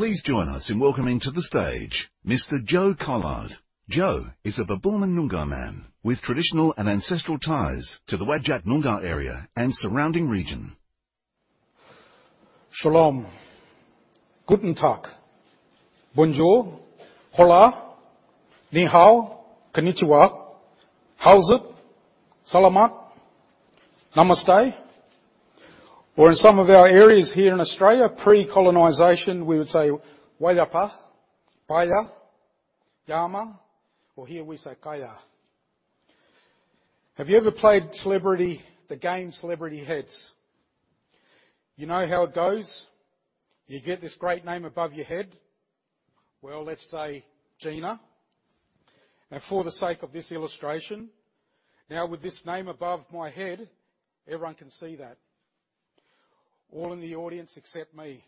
Please join us in welcoming to the stage Mr. Joe Collard. Joe is a Bibbulmun Noongar man with traditional and ancestral ties to the Whadjuk Noongar area and surrounding region. Shalom. Guten tag. Bonjour. Hola. Ni hao. Konnichiwa. Howzit. Selamat. Namaste. In some of our areas here in Australia, pre-colonization, we would say, Wayapa, Kaya, Yaama, or here we say, Kaya. Have you ever played Celebrity, the game Celebrity Heads? You know how it goes. You get this great name above your head. Well, let's say Gina. For the sake of this illustration, now with this name above my head, everyone can see that. All in the audience, except me.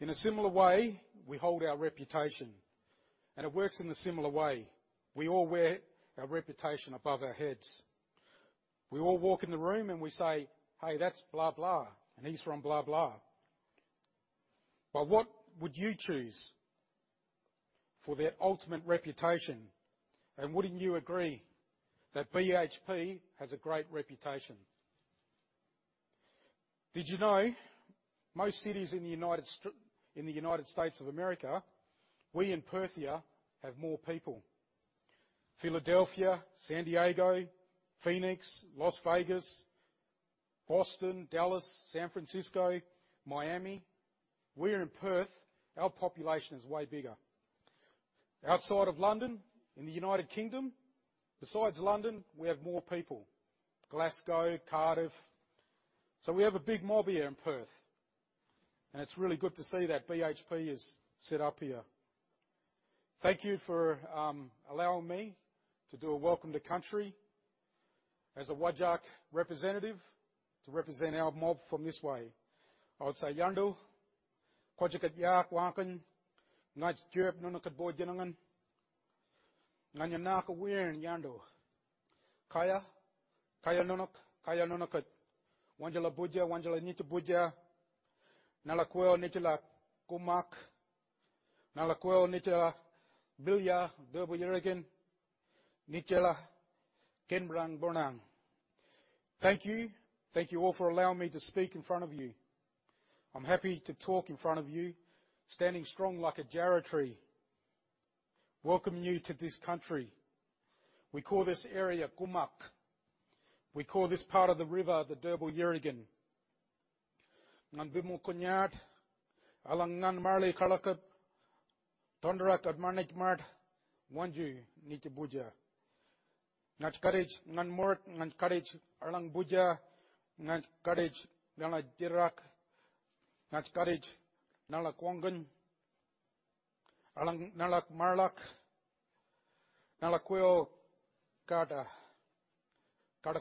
In a similar way, we hold our reputation, and it works in a similar way. We all wear our reputation above our heads. We all walk in the room, and we say, "Hey, that's blah. And he's from blah." What would you choose for that ultimate reputation? Wouldn't you agree that BHP has a great reputation? Did you know most cities in the United States of America, we in Perth have more people. Philadelphia, San Diego, Phoenix, Las Vegas, Boston, Dallas, San Francisco, Miami, we in Perth, our population is way bigger. Outside of London, in the United Kingdom, besides London, we have more people. Glasgow, Cardiff. We have a big mob here in Perth. It's really good to see that BHP is set up here. Thank you for allowing me to do a welcome to country as a Whadjuk representative to represent our mob from this way. I would say, thank you. Thank you all for allowing me to speak in front of you. I'm happy to talk in front of you, standing strong like a jarrah tree. Welcome you to this country. We call this area Gummak. We call this part of the river, the Derbarl Yerrigan. I am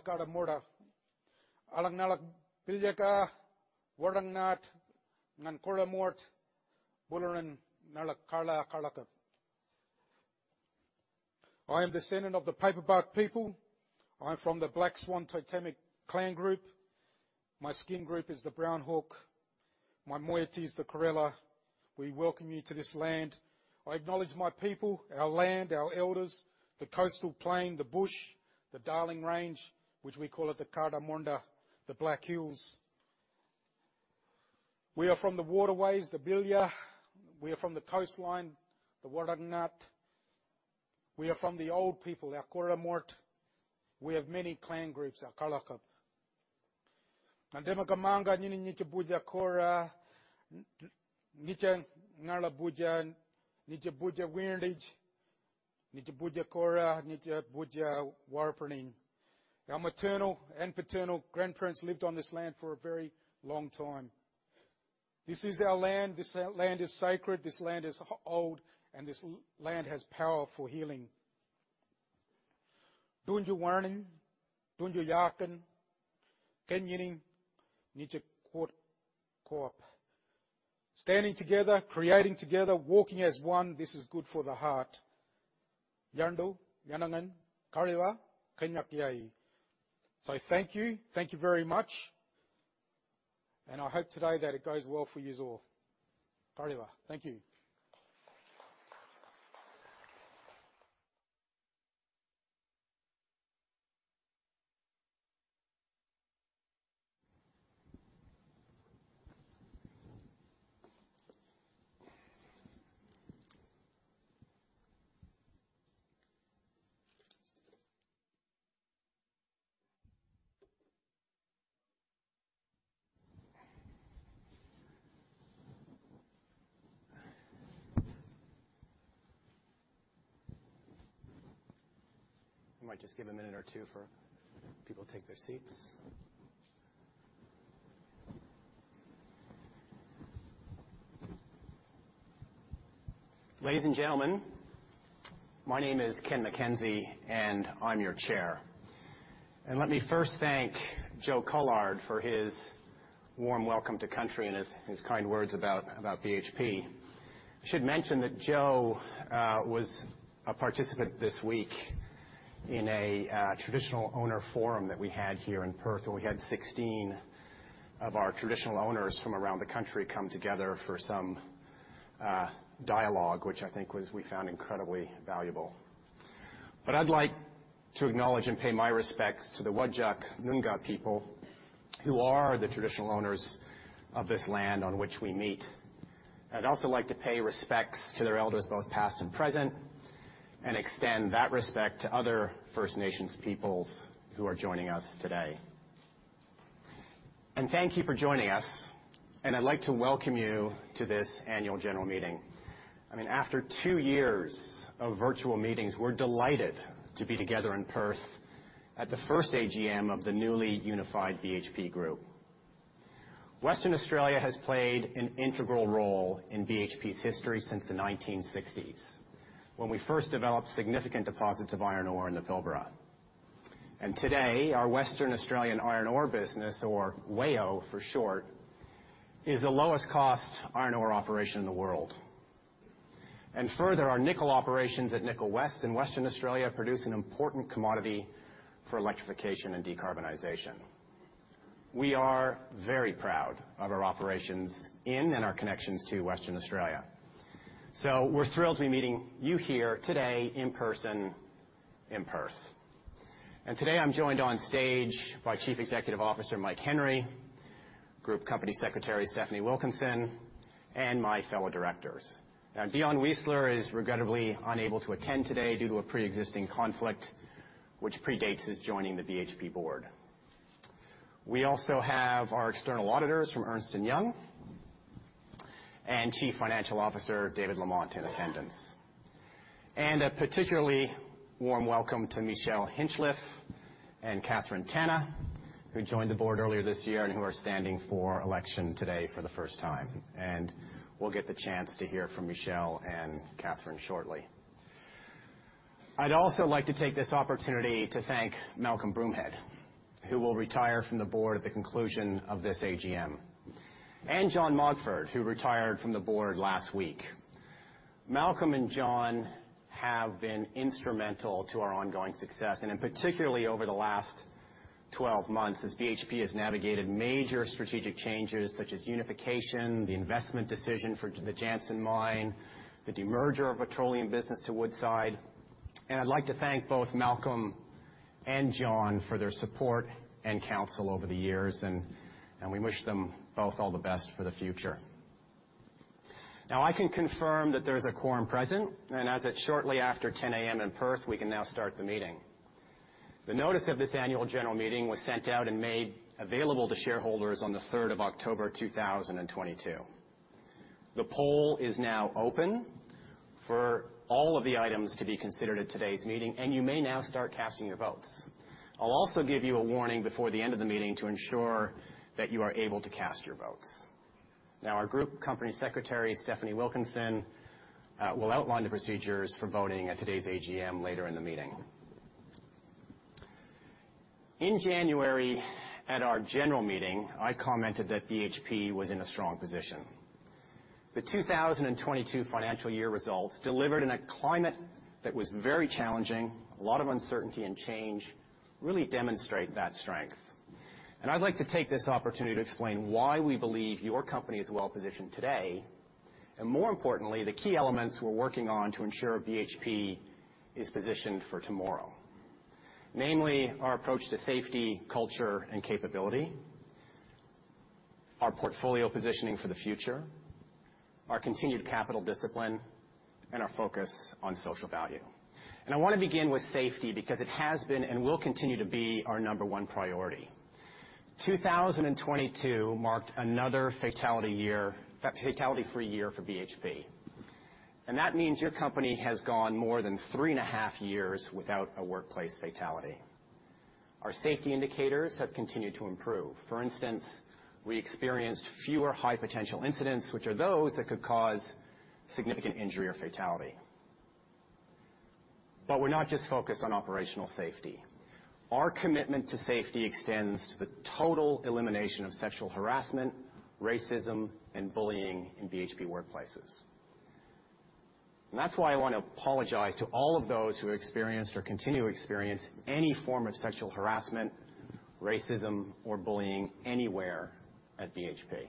descendant of the Paperbark people. I'm from the Black Swan Totemic clan group. My skin group is the Brown Hawk. My moiety is the Karrella. We welcome you to this land. I acknowledge my people, our land, our elders, the coastal plain, the bush, the Darling Range, which we call Kattamorda, the Black Hills. We are from the waterways, the Bilya. We are from the coastline, the Wardangard. We are from the old people, the Koromok. We have many clan groups, the Karlakab. Our maternal and paternal grandparents lived on this land for a very long time. This is our land. This land is sacred, this land is old, and this land has power for healing. Standing together, creating together, walking as one, this is good for the heart. Thank you very much. I hope today that it goes well for yous all. Thank you. We might just give a minute or two for people to take their seats. Ladies and gentlemen, my name is Ken MacKenzie, and I'm your chair. Let me first thank Joe Collard for his warm welcome to country and his kind words about BHP. I should mention that Joe was a participant this week in a traditional owner forum that we had here in Perth, where we had 16 of our traditional owners from around the country come together for some dialogue, which we found incredibly valuable. I'd like to acknowledge and pay my respects to the Whadjuk Noongar people who are the traditional owners of this land on which we meet. I'd also like to pay respects to their elders, both past and present, and extend that respect to other First Nations peoples who are joining us today. Thank you for joining us, and I'd like to welcome you to this annual general meeting. I mean, after two years of virtual meetings, we're delighted to be together in Perth at the first AGM of the newly unified BHP Group. Western Australia has played an integral role in BHP's history since the 1960s, when we first developed significant deposits of iron ore in the Pilbara. Today, our Western Australian iron ore business, or WAIO for short, is the lowest cost iron ore operation in the world. Further, our nickel operations at Nickel West in Western Australia produce an important commodity for electrification and decarbonization. We are very proud of our operations in and our connections to Western Australia. We're thrilled to be meeting you here today in person in Perth. Today I'm joined on stage by Chief Executive Officer Mike Henry, Group Company Secretary Stefanie Wilkinson, and my fellow directors. Now, Dion Weisler is regrettably unable to attend today due to a preexisting conflict which predates his joining the BHP board. We also have our external auditors from Ernst & Young and Chief Financial Officer David Lamont in attendance. A particularly warm welcome to Michelle Hinchliffe and Catherine Tanna, who joined the board earlier this year and who are standing for election today for the first time. We'll get the chance to hear from Michelle and Catherine shortly. I'd also like to take this opportunity to thank Malcolm Broomhead, who will retire from the board at the conclusion of this AGM, and John Mogford, who retired from the board last week. Malcolm and John have been instrumental to our ongoing success, and in particular over the last 12 months as BHP has navigated major strategic changes such as unification, the investment decision for the Jansen Mine, the demerger of petroleum business to Woodside. I'd like to thank both Malcolm and John for their support and counsel over the years, and we wish them both all the best for the future. Now, I can confirm that there's a quorum present, and as it's shortly after 10 A.M. in Perth, we can now start the meeting. The notice of this annual general meeting was sent out and made available to shareholders on the 3rd of October, 2022. The poll is now open for all of the items to be considered at today's meeting, and you may now start casting your votes. I'll also give you a warning before the end of the meeting to ensure that you are able to cast your votes. Now, our Group Company Secretary, Stefanie Wilkinson, will outline the procedures for voting at today's AGM later in the meeting. In January, at our general meeting, I commented that BHP was in a strong position. The 2022 financial year results delivered in a climate that was very challenging, a lot of uncertainty and change, really demonstrate that strength. I'd like to take this opportunity to explain why we believe your company is well-positioned today, and more importantly, the key elements we're working on to ensure BHP is positioned for tomorrow. Namely, our approach to safety, culture, and capability, our portfolio positioning for the future, our continued capital discipline, and our focus on social value. I wanna begin with safety because it has been and will continue to be our number one priority. 2022 marked another fatality-free year for BHP. That means your company has gone more than three and a half years without a workplace fatality. Our safety indicators have continued to improve. For instance, we experienced fewer high potential incidents, which are those that could cause significant injury or fatality. We're not just focused on operational safety. Our commitment to safety extends to the total elimination of sexual harassment, racism, and bullying in BHP workplaces. That's why I want to apologize to all of those who experienced or continue to experience any form of sexual harassment, racism, or bullying anywhere at BHP.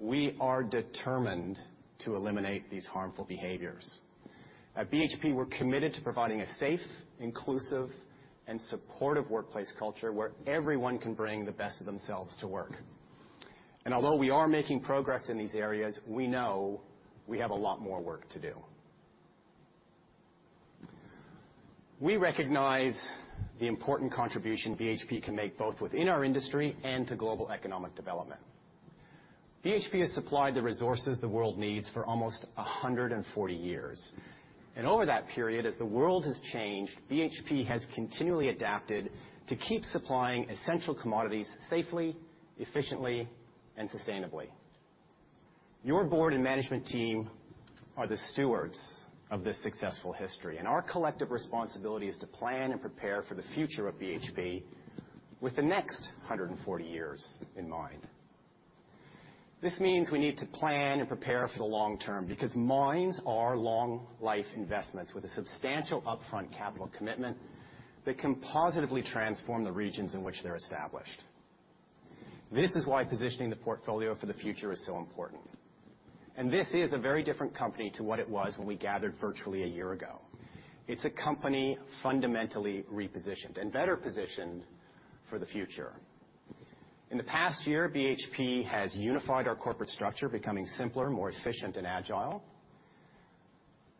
We are determined to eliminate these harmful behaviors. At BHP, we're committed to providing a safe, inclusive, and supportive workplace culture where everyone can bring the best of themselves to work. Although we are making progress in these areas, we know we have a lot more work to do. We recognize the important contribution BHP can make, both within our industry and to global economic development. BHP has supplied the resources the world needs for almost 140 years. Over that period, as the world has changed, BHP has continually adapted to keep supplying essential commodities safely, efficiently, and sustainably. Your board and management team are the stewards of this successful history, and our collective responsibility is to plan and prepare for the future of BHP with the next 140 years in mind. This means we need to plan and prepare for the long term because mines are long life investments with a substantial upfront capital commitment that can positively transform the regions in which they're established. This is why positioning the portfolio for the future is so important. This is a very different company to what it was when we gathered virtually a year ago. It's a company fundamentally repositioned and better positioned for the future. In the past year, BHP has unified our corporate structure, becoming simpler, more efficient, and agile.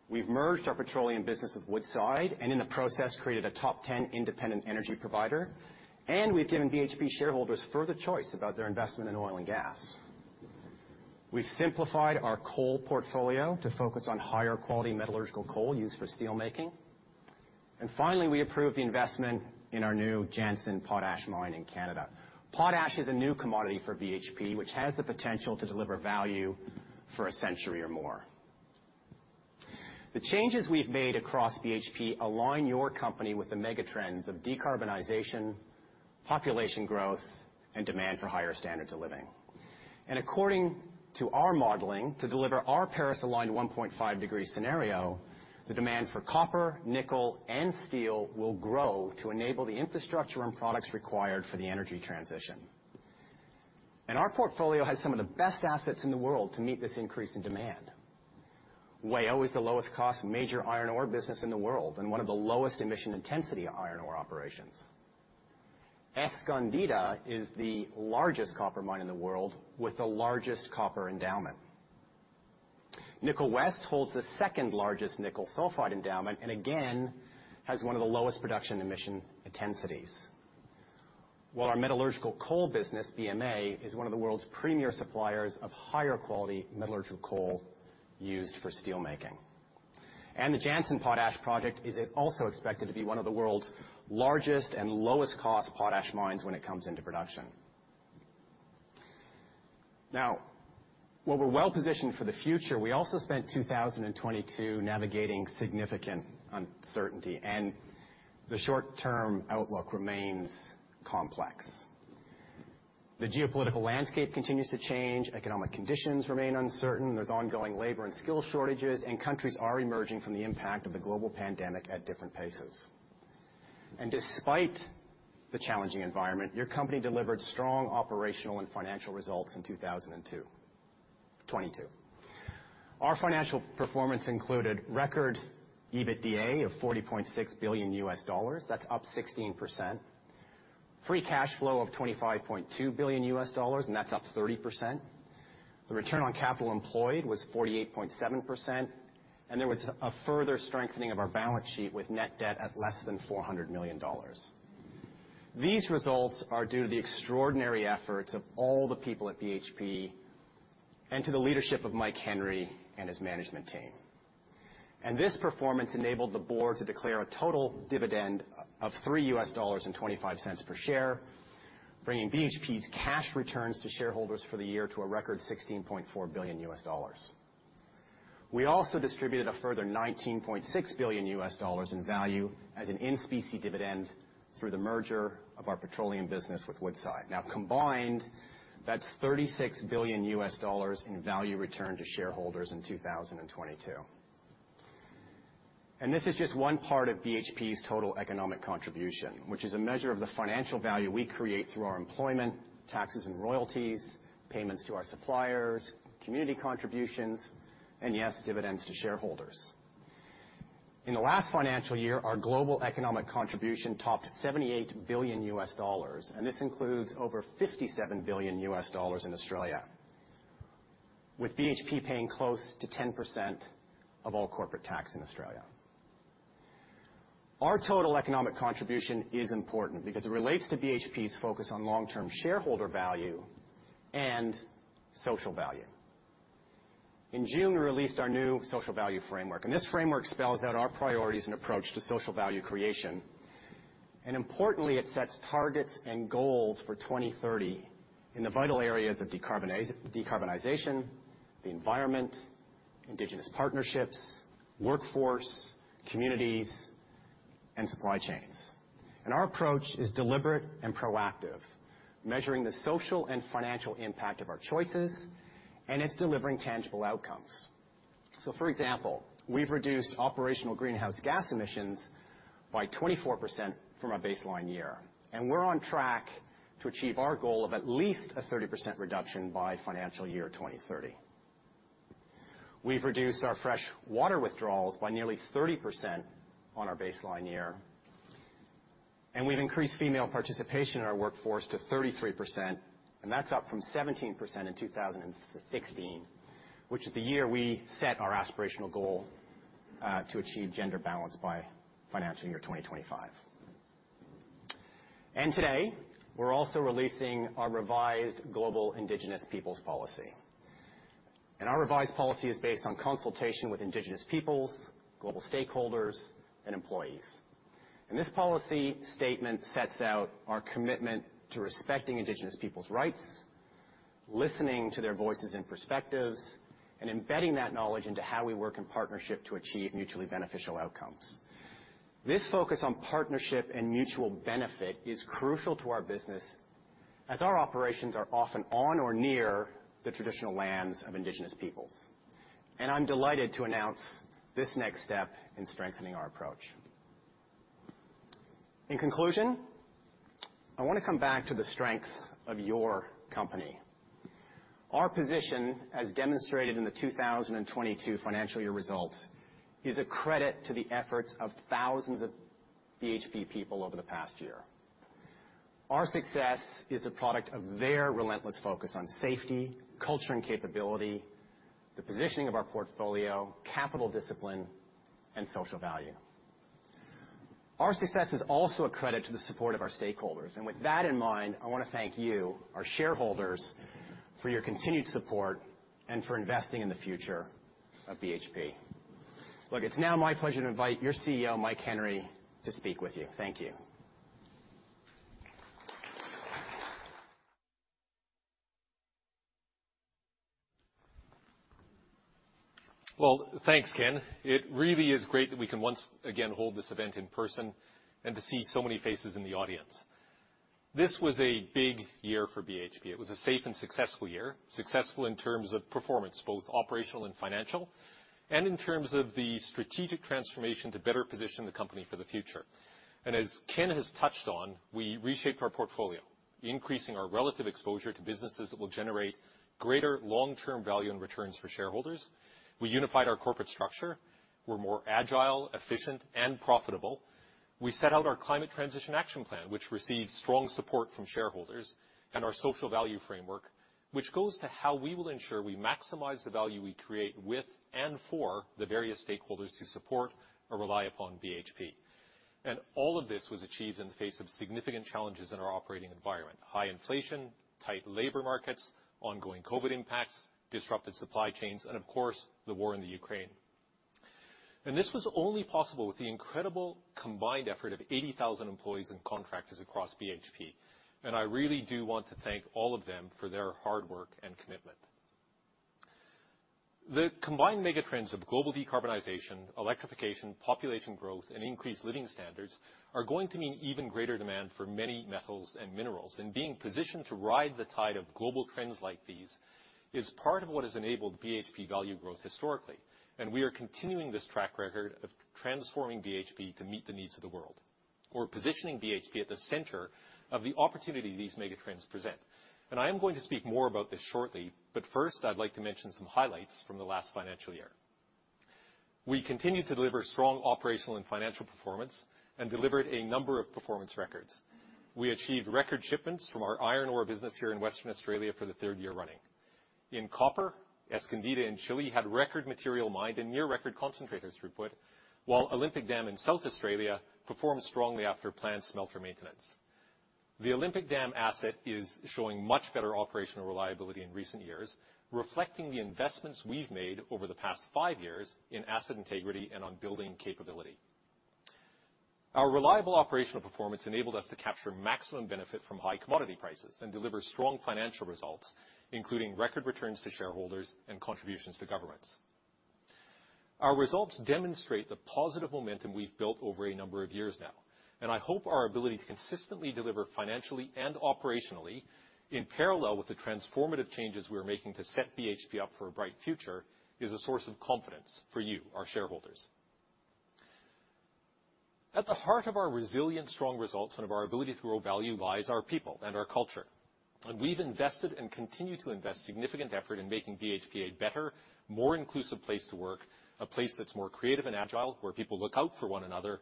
We've merged our petroleum business with Woodside, and in the process, created a top 10 independent energy provider, and we've given BHP shareholders further choice about their investment in oil and gas. We've simplified our coal portfolio to focus on higher quality metallurgical coal used for steel making. Finally, we approved the investment in our new Jansen potash mine in Canada. Potash is a new commodity for BHP, which has the potential to deliver value for a century or more. The changes we've made across BHP align your company with the mega trends of decarbonization, population growth, and demand for higher standards of living. According to our modeling, to deliver our Paris-aligned 1.5-degree scenario, the demand for copper, nickel, and steel will grow to enable the infrastructure and products required for the energy transition. Our portfolio has some of the best assets in the world to meet this increase in demand. WAIO is the lowest cost major iron ore business in the world and one of the lowest emission intensity iron ore operations. Escondida is the largest copper mine in the world with the largest copper endowment. Nickel West holds the second-largest nickel sulfide endowment and, again, has one of the lowest production emission intensities. While our metallurgical coal business, BMA, is one of the world's premier suppliers of higher quality metallurgical coal used for steel making. The Jansen Potash project is also expected to be one of the world's largest and lowest cost potash mines when it comes into production. Now, while we're well-positioned for the future, we also spent 2022 navigating significant uncertainty, and the short-term outlook remains complex. The geopolitical landscape continues to change, economic conditions remain uncertain, there's ongoing labor and skill shortages, and countries are emerging from the impact of the global pandemic at different paces. Despite the challenging environment, your company delivered strong operational and financial results in 2022. Our financial performance included record EBITDA of $40.6 billion. That's up 16%. Free cash flow of $25.2 billion, and that's up 30%. The return on capital employed was 48.7%, and there was a further strengthening of our balance sheet with net debt at less than $400 million. These results are due to the extraordinary efforts of all the people at BHP and to the leadership of Mike Henry and his management team. This performance enabled the board to declare a total dividend of $3.25 per share, bringing BHP's cash returns to shareholders for the year to a record $16.4 billion. We also distributed a further $19.6 billion in value as an in-specie dividend through the merger of our petroleum business with Woodside. Now combined, that's $36 billion in value returned to shareholders in 2022. This is just one part of BHP's total economic contribution, which is a measure of the financial value we create through our employment, taxes and royalties, payments to our suppliers, community contributions, and yes, dividends to shareholders. In the last financial year, our global economic contribution topped $78 billion, and this includes over $57 billion in Australia, with BHP paying close to 10% of all corporate tax in Australia. Our total economic contribution is important because it relates to BHP's focus on long-term shareholder value and social value. In June, we released our new social value framework, and this framework spells out our priorities and approach to social value creation. Importantly, it sets targets and goals for 2030 in the vital areas of decarbonization, the environment, indigenous partnerships, workforce, communities, and supply chains. Our approach is deliberate and proactive, measuring the social and financial impact of our choices, and it's delivering tangible outcomes. For example, we've reduced operational greenhouse gas emissions by 24% from a baseline year, and we're on track to achieve our goal of at least a 30% reduction by financial year 2030. We've reduced our fresh water withdrawals by nearly 30% on our baseline year, and we've increased female participation in our workforce to 33%, and that's up from 17% in 2016, which is the year we set our aspirational goal, to achieve gender balance by financial year 2025. Today, we're also releasing our revised global indigenous peoples policy. Our revised policy is based on consultation with indigenous peoples, global stakeholders, and employees. This policy statement sets out our commitment to respecting indigenous people's rights. Listening to their voices and perspectives, and embedding that knowledge into how we work in partnership to achieve mutually beneficial outcomes. This focus on partnership and mutual benefit is crucial to our business, as our operations are often on or near the traditional lands of indigenous peoples. I'm delighted to announce this next step in strengthening our approach. In conclusion, I wanna come back to the strength of your company. Our position, as demonstrated in the 2022 financial year results, is a credit to the efforts of thousands of BHP people over the past year. Our success is a product of their relentless focus on safety, culture and capability, the positioning of our portfolio, capital discipline, and social value. Our success is also a credit to the support of our stakeholders. With that in mind, I wanna thank you, our shareholders, for your continued support and for investing in the future of BHP. Look, it's now my pleasure to invite your CEO, Mike Henry, to speak with you. Thank you. Well, thanks, Ken. It really is great that we can once again hold this event in person and to see so many faces in the audience. This was a big year for BHP. It was a safe and successful year. Successful in terms of performance, both operational and financial, and in terms of the strategic transformation to better position the company for the future. As Ken has touched on, we reshaped our portfolio, increasing our relative exposure to businesses that will generate greater long-term value and returns for shareholders. We unified our corporate structure. We're more agile, efficient, and profitable. We set out our Climate Transition Action Plan, which received strong support from shareholders, and our social value framework, which goes to how we will ensure we maximize the value we create with and for the various stakeholders who support or rely upon BHP. All of this was achieved in the face of significant challenges in our operating environment. High inflation, tight labor markets, ongoing COVID impacts, disrupted supply chains, and of course, the war in the Ukraine. This was only possible with the incredible combined effort of 80,000 employees and contractors across BHP, and I really do want to thank all of them for their hard work and commitment. The combined mega trends of global decarbonization, electrification, population growth, and increased living standards are going to mean even greater demand for many metals and minerals, and being positioned to ride the tide of global trends like these is part of what has enabled BHP value growth historically. We are continuing this track record of transforming BHP to meet the needs of the world. We're positioning BHP at the center of the opportunity these mega trends present. I am going to speak more about this shortly, but first I'd like to mention some highlights from the last financial year. We continued to deliver strong operational and financial performance and delivered a number of performance records. We achieved record shipments from our iron ore business here in Western Australia for the third year running. In copper, Escondida in Chile had record material mined and near-record concentrator throughput, while Olympic Dam in South Australia performed strongly after a planned smelter maintenance. The Olympic Dam asset is showing much better operational reliability in recent years, reflecting the investments we've made over the past 5 years in asset integrity and on building capability. Our reliable operational performance enabled us to capture maximum benefit from high commodity prices and deliver strong financial results, including record returns to shareholders and contributions to governments. Our results demonstrate the positive momentum we've built over a number of years now, and I hope our ability to consistently deliver financially and operationally, in parallel with the transformative changes we're making to set BHP up for a bright future, is a source of confidence for you, our shareholders. At the heart of our resilient, strong results and of our ability to grow value lies our people and our culture. We've invested, and continue to invest, significant effort in making BHP a better, more inclusive place to work, a place that's more creative and agile, where people look out for one another,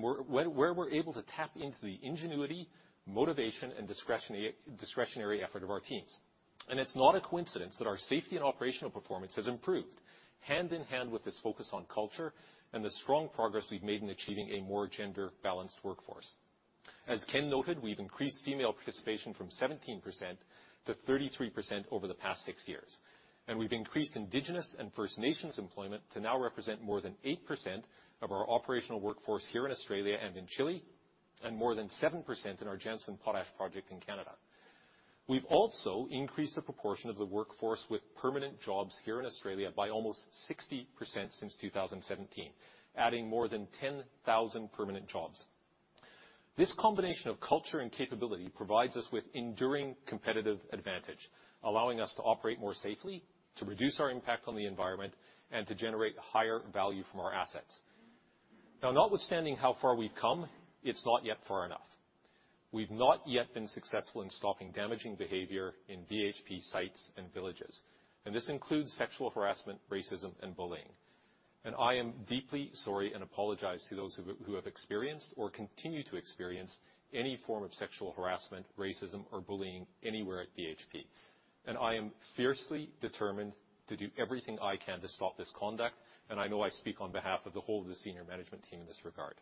where we're able to tap into the ingenuity, motivation, and discretionary effort of our teams. It's not a coincidence that our safety and operational performance has improved hand-in-hand with this focus on culture and the strong progress we've made in achieving a more gender-balanced workforce. As Ken noted, we've increased female participation from 17%-33% over the past six years. We've increased Indigenous and First Nations employment to now represent more than 8% of our operational workforce here in Australia and in Chile, and more than 7% in our Jansen Potash Operation in Canada. We've also increased the proportion of the workforce with permanent jobs here in Australia by almost 60% since 2017, adding more than 10,000 permanent jobs. This combination of culture and capability provides us with enduring competitive advantage, allowing us to operate more safely, to reduce our impact on the environment, and to generate higher value from our assets. Now notwithstanding how far we've come, it's not yet far enough. We've not yet been successful in stopping damaging behavior in BHP sites and villages, and this includes sexual harassment, racism, and bullying. I am deeply sorry and apologize to those who have experienced or continue to experience any form of sexual harassment, racism, or bullying anywhere at BHP. I am fiercely determined to do everything I can to stop this conduct, and I know I speak on behalf of the whole of the senior management team in this regard.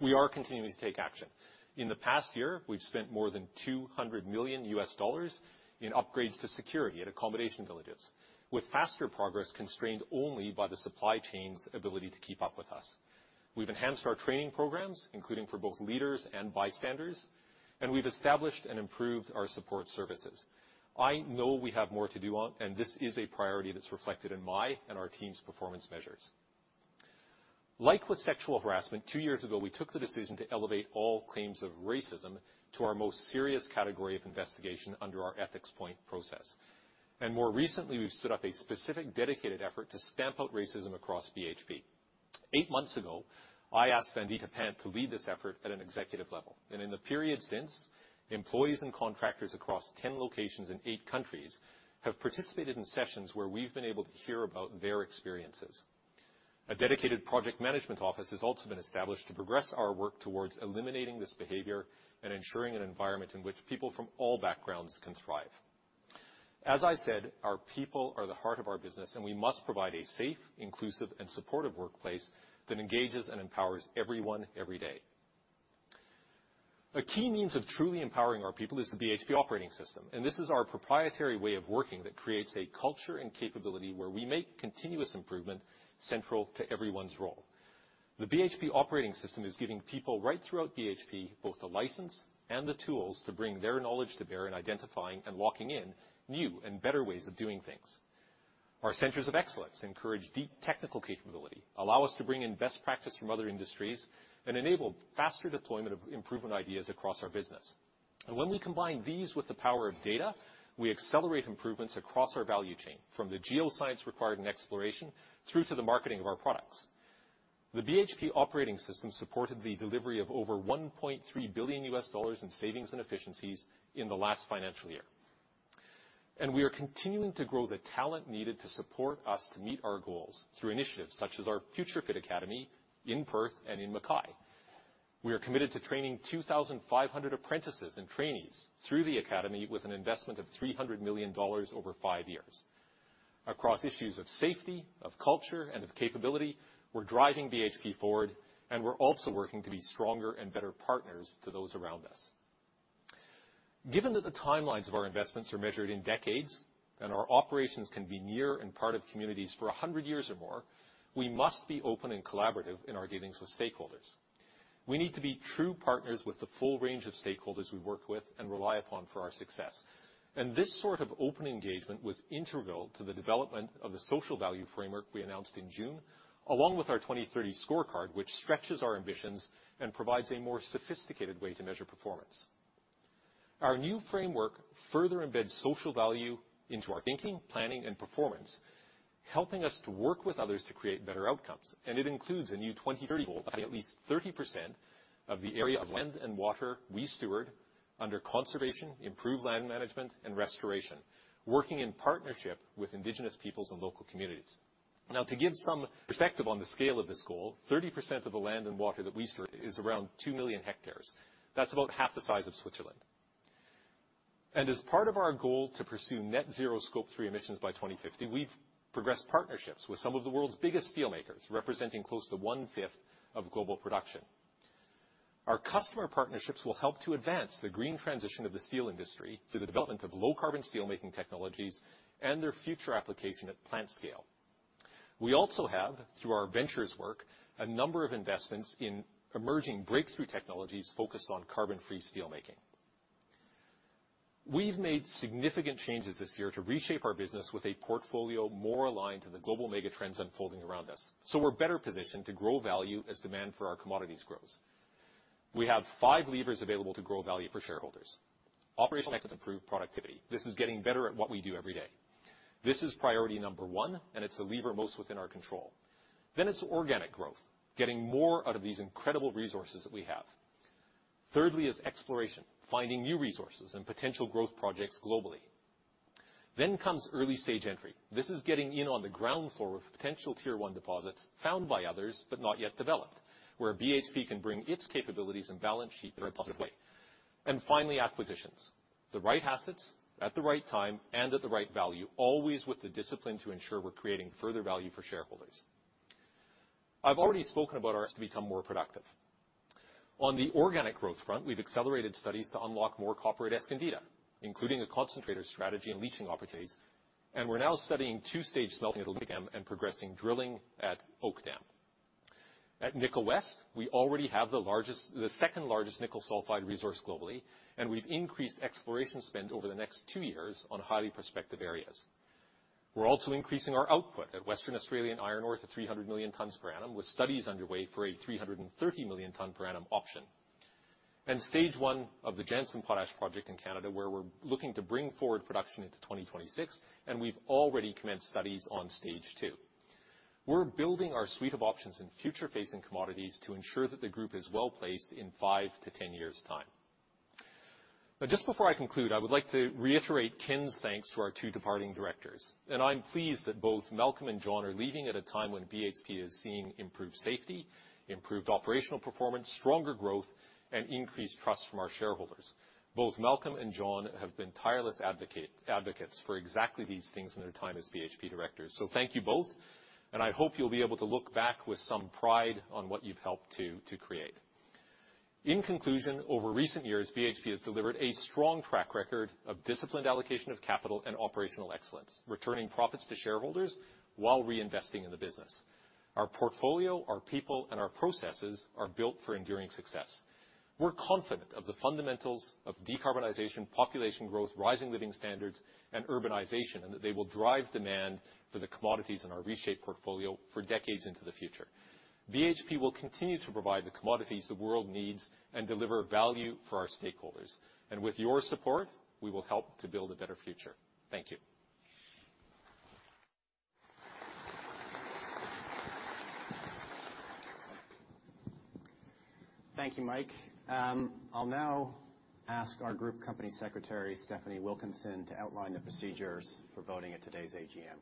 We are continuing to take action. In the past year, we've spent more than $200 million in upgrades to security at accommodation villages, with faster progress constrained only by the supply chain's ability to keep up with us. We've enhanced our training programs, including for both leaders and bystanders, and we've established and improved our support services. I know we have more to do on, and this is a priority that's reflected in my and our team's performance measures. Like with sexual harassment, two years ago, we took the decision to elevate all claims of racism to our most serious category of investigation under our EthicsPoint process. More recently, we've stood up a specific dedicated effort to stamp out racism across BHP. Eight months ago, I asked Vandita Pant to lead this effort at an executive level. In the period since, employees and contractors across 10 locations in eight countries have participated in sessions where we've been able to hear about their experiences. A dedicated project management office has also been established to progress our work towards eliminating this behavior and ensuring an environment in which people from all backgrounds can thrive. As I said, our people are the heart of our business, and we must provide a safe, inclusive, and supportive workplace that engages and empowers everyone every day. A key means of truly empowering our people is the BHP Operating System, and this is our proprietary way of working that creates a culture and capability where we make continuous improvement central to everyone's role. The BHP Operating System is giving people right throughout BHP, both the license and the tools to bring their knowledge to bear in identifying and locking in new and better ways of doing things. Our centers of excellence encourage deep technical capability, allow us to bring in best practice from other industries, and enable faster deployment of improvement ideas across our business. When we combine these with the power of data, we accelerate improvements across our value chain from the geoscience required in exploration through to the marketing of our products. The BHP Operating System supported the delivery of over $1.3 billion in savings and efficiencies in the last financial year. We are continuing to grow the talent needed to support us to meet our goals through initiatives such as our FutureFit Academy in Perth and in Mackay. We are committed to training 2,500 apprentices and trainees through the academy with an investment of $300 million over five years. Across issues of safety, of culture, and of capability, we're driving BHP forward, and we're also working to be stronger and better partners to those around us. Given that the timelines of our investments are measured in decades and our operations can be near and part of communities for 100 years or more, we must be open and collaborative in our dealings with stakeholders. We need to be true partners with the full range of stakeholders we work with and rely upon for our success. This sort of open engagement was integral to the development of the social value framework we announced in June, along with our 2030 scorecard, which stretches our ambitions and provides a more sophisticated way to measure performance. Our new framework further embeds social value into our thinking, planning, and performance, helping us to work with others to create better outcomes. It includes a new 2030 goal of at least 30% of the area of land and water we steward under conservation, improved land management, and restoration, working in partnership with indigenous peoples and local communities. Now, to give some perspective on the scale of this goal, 30% of the land and water that we steward is around two million hectares. That's about half the size of Switzerland. As part of our goal to pursue net zero Scope three emissions by 2050, we've progressed partnerships with some of the world's biggest steelmakers, representing close to one-fifth of global production. Our customer partnerships will help to advance the green transition of the steel industry through the development of low-carbon steelmaking technologies and their future application at plant scale. We also have, through our ventures work, a number of investments in emerging breakthrough technologies focused on carbon-free steelmaking. We've made significant changes this year to reshape our business with a portfolio more aligned to the global mega trends unfolding around us, so we're better positioned to grow value as demand for our commodities grows. We have five levers available to grow value for shareholders. Operational excellence, improved productivity. This is getting better at what we do every day. This is priority number one, and it's the lever most within our control. Then it's organic growth, getting more out of these incredible resources that we have. Thirdly is exploration, finding new resources and potential growth projects globally. Then comes early-stage entry. This is getting in on the ground floor with potential tier one deposits found by others but not yet developed, where BHP can bring its capabilities and balance sheet in a positive way. Finally, acquisitions. The right assets at the right time and at the right value, always with the discipline to ensure we're creating further value for shareholders. I've already spoken about ours to become more productive. On the organic growth front, we've accelerated studies to unlock more copper at Escondida, including a concentrator strategy and leaching operations, and we're now studying two-stage smelting at Olympic Dam and progressing drilling at Oak Dam. At Nickel West, we already have the largest, the second-largest nickel sulfide resource globally, and we've increased exploration spend over the next two years on highly prospective areas. We're also increasing our output at Western Australian Iron Ore to 300 million tons per annum, with studies underway for a 330 million tons per annum option. Stage one of the Jansen potash project in Canada, where we're looking to bring forward production into 2026, and we've already commenced studies on stage two. We're building our suite of options in future-facing commodities to ensure that the group is well-placed in five to 10 years’ time. Just before I conclude, I would like to reiterate Ken's thanks to our two departing directors, and I'm pleased that both Malcolm and John are leaving at a time when BHP is seeing improved safety, improved operational performance, stronger growth, and increased trust from our shareholders. Both Malcolm and John have been tireless advocates for exactly these things in their time as BHP directors. Thank you both, and I hope you'll be able to look back with some pride on what you've helped to create. In conclusion, over recent years, BHP has delivered a strong track record of disciplined allocation of capital and operational excellence, returning profits to shareholders while reinvesting in the business. Our portfolio, our people, and our processes are built for enduring success. We're confident of the fundamentals of decarbonization, population growth, rising living standards, and urbanization, and that they will drive demand for the commodities in our reshaped portfolio for decades into the future. BHP will continue to provide the commodities the world needs and deliver value for our stakeholders. With your support, we will help to build a better future. Thank you. Thank you, Mike. I'll now ask our group company secretary, Stefanie Wilkinson, to outline the procedures for voting at today's AGM.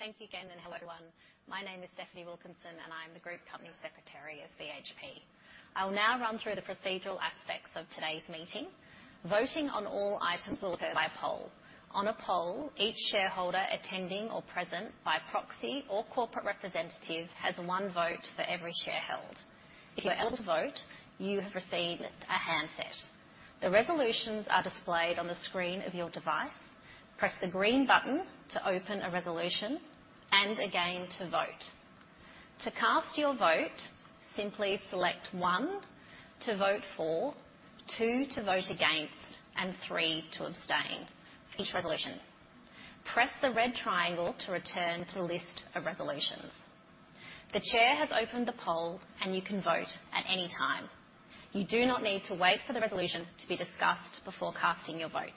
Thank you again, and hello, everyone. My name is Stefanie Wilkinson, and I'm the group company secretary of BHP. I'll now run through the procedural aspects of today's meeting. Voting on all items will go by poll. On a poll, each shareholder attending or present by proxy or corporate representative has one vote for every share held. If you're able to vote, you have received a handset. The resolutions are displayed on the screen of your device. Press the green button to open a resolution and again to vote. To cast your vote, simply select one to vote for, two to vote against, and three to abstain each resolution. Press the red triangle to return to the list of resolutions. The chair has opened the poll, and you can vote at any time. You do not need to wait for the resolution to be discussed before casting your vote.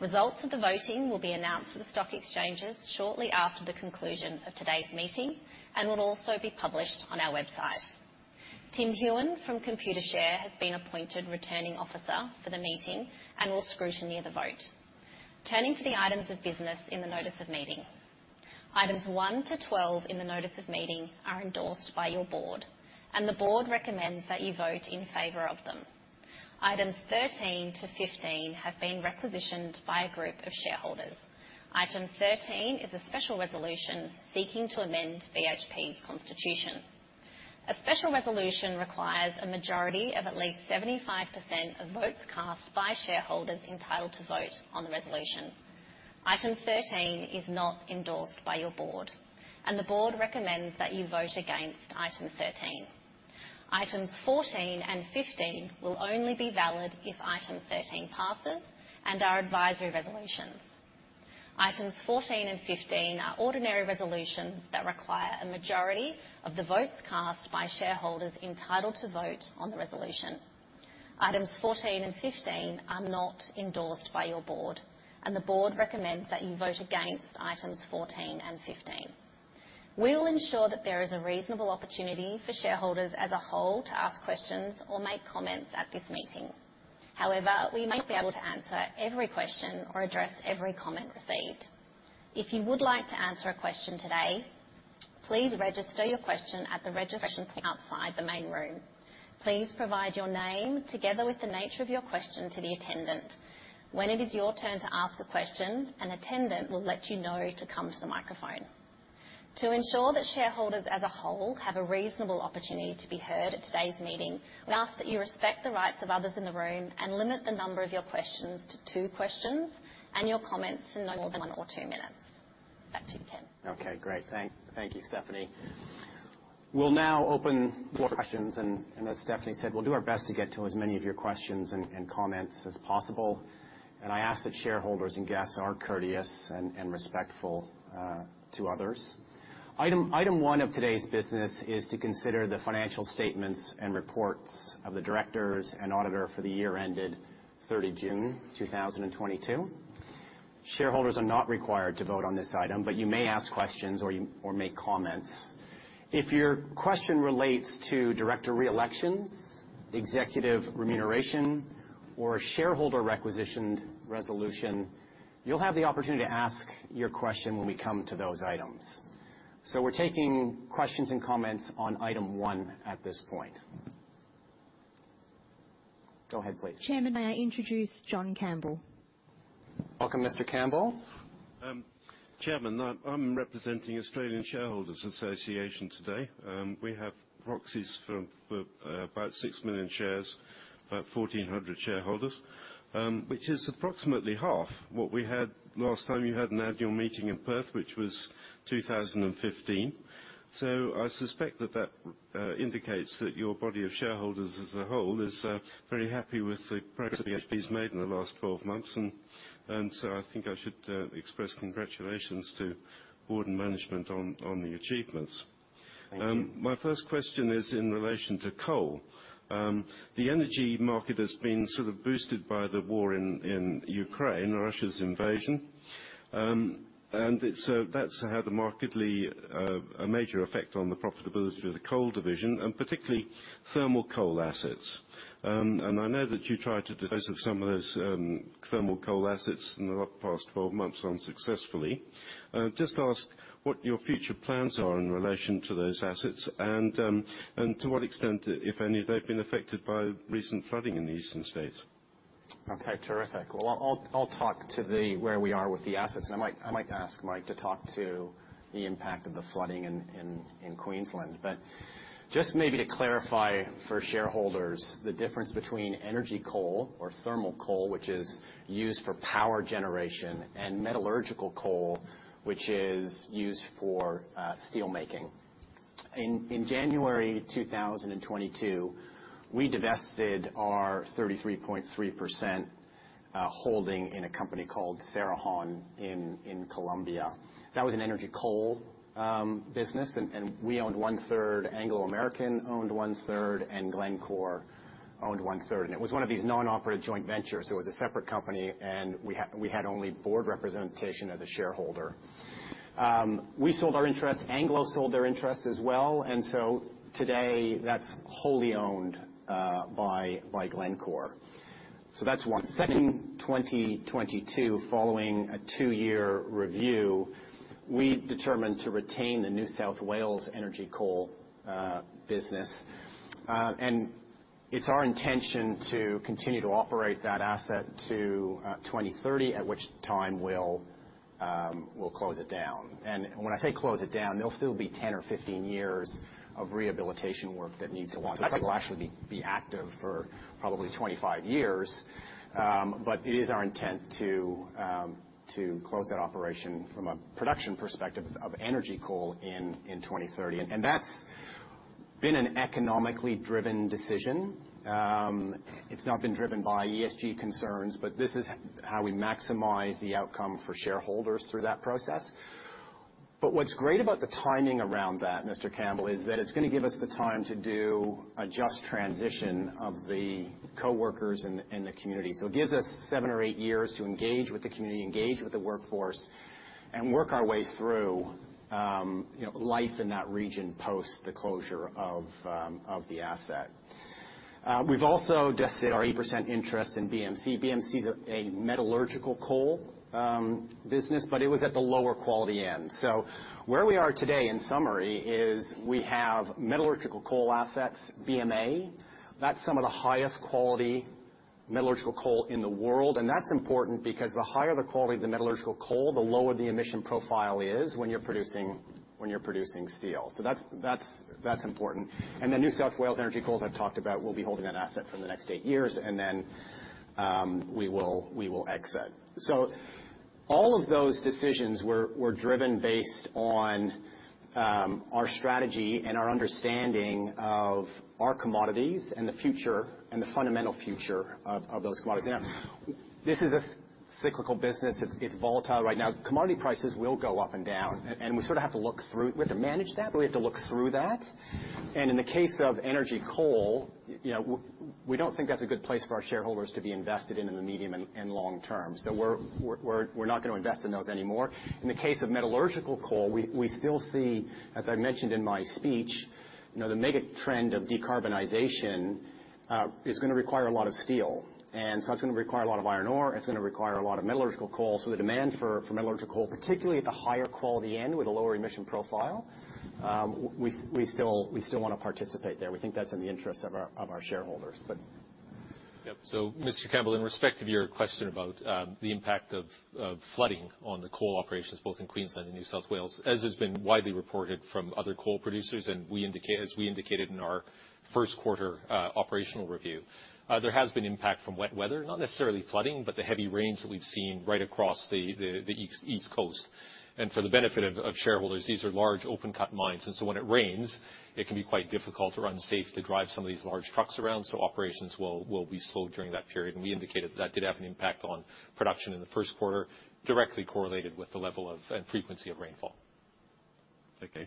Results of the voting will be announced to the stock exchanges shortly after the conclusion of today's meeting and will also be published on our website. Tim Hughan from Computershare has been appointed Returning Officer for the meeting and will scrutinize the vote. Turning to the items of business in the notice of meeting. Items one to 12 in the notice of meeting are endorsed by your board, and the board recommends that you vote in favor of them. Items 13 to 15 have been requisitioned by a group of shareholders. Item 13 is a special resolution seeking to amend BHP's constitution. A special resolution requires a majority of at least 75% of votes cast by shareholders entitled to vote on the resolution. Item 13 is not endorsed by your board, and the board recommends that you vote against Item 13. Items 14 and 15 will only be valid if Item 13 passes and are advisory resolutions. Items 14 and 15 are ordinary resolutions that require a majority of the votes cast by shareholders entitled to vote on the resolution. Items 14 and 15 are not endorsed by your board, and the board recommends that you vote against Items 14 and 15. We will ensure that there is a reasonable opportunity for shareholders as a whole to ask questions or make comments at this meeting. However, we might not be able to answer every question or address every comment received. If you would like to ask a question today, please register your question at the registration outside the main room. Please provide your name together with the nature of your question to the attendant. When it is your turn to ask a question, an attendant will let you know to come to the microphone. To ensure that shareholders as a whole have a reasonable opportunity to be heard at today's meeting, we ask that you respect the rights of others in the room and limit the number of your questions to two questions and your comments to no more than one or two minutes. Back to you, Ken. Okay, great. Thank you, Stefanie. We'll now open floor questions, as Stefanie said, we'll do our best to get to as many of your questions and comments as possible. I ask that shareholders and guests are courteous and respectful to others. Item one of today's business is to consider the financial statements and reports of the directors and auditor for the year ended 30 June 2022. Shareholders are not required to vote on this item, but you may ask questions or make comments. If your question relates to director reelections, executive remuneration, or shareholder requisition resolution, you'll have the opportunity to ask your question when we come to those items. We're taking questions and comments on item one at this point. Go ahead, please. Chairman, may I introduce John Campbell? Welcome, Mr. Campbell. Chairman, I'm representing Australian Shareholders' Association today. We have proxies for about six million shares, about 1,400 shareholders, which is approximately half what we had last time you had an annual meeting in Perth, which was 2015. I suspect that indicates that your body of shareholders as a whole is very happy with the progress BHP's made in the last 12 months. I think I should express congratulations to board and management on the achievements. Thank you. My first question is in relation to coal. The energy market has been sort of boosted by the war in Ukraine, Russia's invasion. That's had a major effect on the profitability of the coal division and particularly thermal coal assets. I know that you tried to dispose of some of those thermal coal assets in the past 12 months unsuccessfully. Just ask what your future plans are in relation to those assets and to what extent, if any, they've been affected by recent flooding in the eastern states. Okay. Terrific. Well, I'll talk to where we are with the assets. I might ask Mike to talk to the impact of the flooding in Queensland. Just maybe to clarify for shareholders the difference between energy coal or thermal coal, which is used for power generation and metallurgical coal, which is used for steel making. In January 2022, we divested our 33.3% holding in a company called Cerrejón in Colombia. That was an energy coal business. We owned one-third, Anglo American owned one-third, and Glencore owned one-third. It was one of these non-operative joint ventures. It was a separate company, and we had only board representation as a shareholder. We sold our interest. Anglo sold their interest as well. Today that's wholly owned by Glencore. That's one. Second, 2022, following a two-year review, we determined to retain the New South Wales Energy Coal business. It's our intention to continue to operate that asset to 2030, at which time we'll close it down. When I say close it down, there'll still be 10 or 15 years of rehabilitation work that needs to launch. That thing will actually be active for probably 25 years. It is our intent to close that operation from a production perspective of energy coal in 2030. That's been an economically driven decision. It's not been driven by ESG concerns, but this is how we maximize the outcome for shareholders through that process. What's great about the timing around that, Mr. Campbell, is that it's gonna give us the time to do a just transition of the coworkers and the community. It gives us seven or eight years to engage with the community, engage with the workforce, and work our way through life in that region post the closure of the asset. We've also divested our 8% interest in BMC. BMC's a metallurgical coal business, but it was at the lower quality end. Where we are today, in summary, is we have metallurgical coal assets, BMA. That's some of the highest quality metallurgical coal in the world, and that's important because the higher the quality of the metallurgical coal, the lower the emission profile is when you're producing steel. That's important. The New South Wales Energy Coal I've talked about, we'll be holding that asset for the next eight years, and then we will exit. All of those decisions were driven based on our strategy and our understanding of our commodities and the future, and the fundamental future of those commodities. Now, this is a cyclical business. It's volatile right now. Commodity prices will go up and down, and we sort of have to look through, we have to manage that, but we have to look through that. In the case of energy coal, you know, we don't think that's a good place for our shareholders to be invested in the medium and long term. We're not gonna invest in those anymore. In the case of metallurgical coal, we still see, as I mentioned in my speech, you know, the mega trend of decarbonization is gonna require a lot of steel. It's gonna require a lot of iron ore. It's gonna require a lot of metallurgical coal. The demand for metallurgical coal, particularly at the higher quality end with a lower emission profile, we still wanna participate there. We think that's in the interest of our shareholders. Yep. Mr. Campbell, in respect of your question about the impact of flooding on the coal operations both in Queensland and New South Wales, as has been widely reported from other coal producers and we indicated in our first quarter operational review, there has been impact from wet weather. Not necessarily flooding, but the heavy rains that we've seen right across the East Coast. For the benefit of shareholders, these are large open cut mines, and so when it rains, it can be quite difficult or unsafe to drive some of these large trucks around, so operations will be slowed during that period. We indicated that that did have an impact on production in the first quarter, directly correlated with the level of and frequency of rainfall. Okay.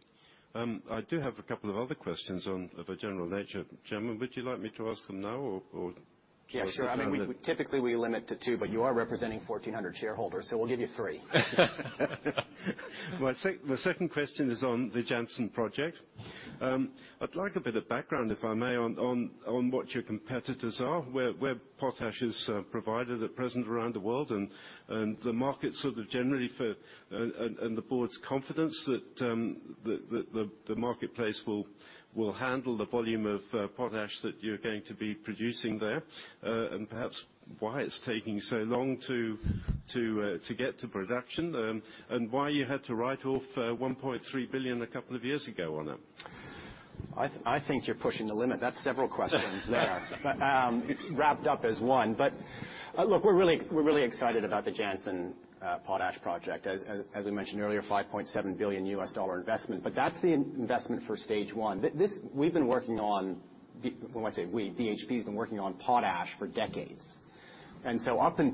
I do have a couple of other questions of a general nature. Gentlemen, would you like me to ask them now or? Yeah, sure. I mean, we, typically we limit to two, but you are representing 1,400 shareholders, so we'll give you three. My second question is on the Jansen project. I'd like a bit of background, if I may, on what your competitors are, where potash is provided at present around the world and the market sort of generally for and the board's confidence that the marketplace will handle the volume of potash that you're going to be producing there and perhaps why it's taking so long to get to production and why you had to write off $1.3 billion a couple of years ago on it. I think you're pushing the limit. That's several questions there, wrapped up as one. Look, we're really excited about the Jansen potash project. As we mentioned earlier, $5.7 billion investment, but that's the investment for stage one. This we've been working on, when I say we, BHP's been working on potash for decades. Up until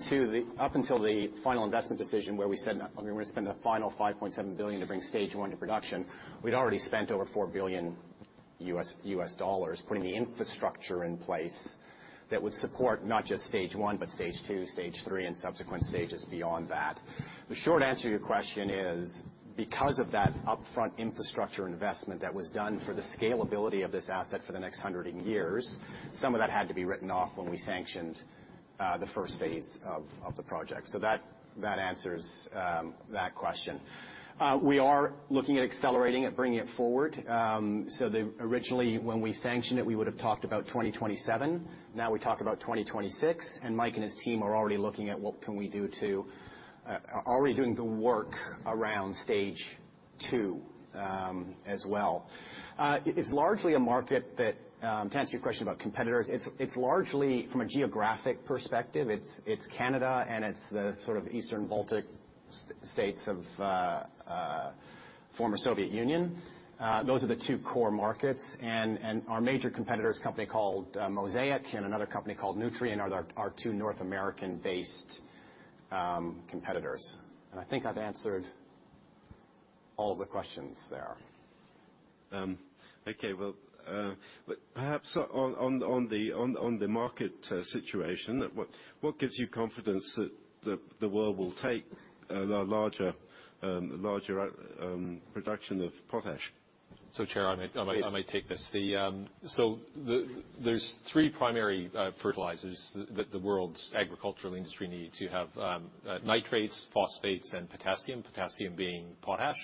the final investment decision where we said, "I'm gonna spend the final $5.7 billion to bring stage one to production," we'd already spent over $4 billion putting the infrastructure in place that would support not just stage one, but stage two, stage three, and subsequent stages beyond that. The short answer to your question is, because of that upfront infrastructure investment that was done for the scalability of this asset for the next hundred years, some of that had to be written off when we sanctioned the first phase of the project. That answers that question. We are looking at accelerating it, bringing it forward. Originally, when we sanctioned it, we would've talked about 2027. Now we talk about 2026, and Mike and his team are already doing the work around stage two, as well. It's largely a market that, to answer your question about competitors, it's largely from a geographic perspective. It's Canada, and it's the sort of Eastern Baltic States of former Soviet Union. Those are the two core markets. Our major competitors company called Mosaic and another company called Nutrien are our two North American-based competitors. I think I've answered all the questions there. Okay. Well, perhaps on the market situation, what gives you confidence that the world will take the larger production of potash? Chair, I might. Yes. I might take this. There's three primary fertilizers that the world's agricultural industry needs. You have nitrates, phosphates, and potassium. Potassium being potash.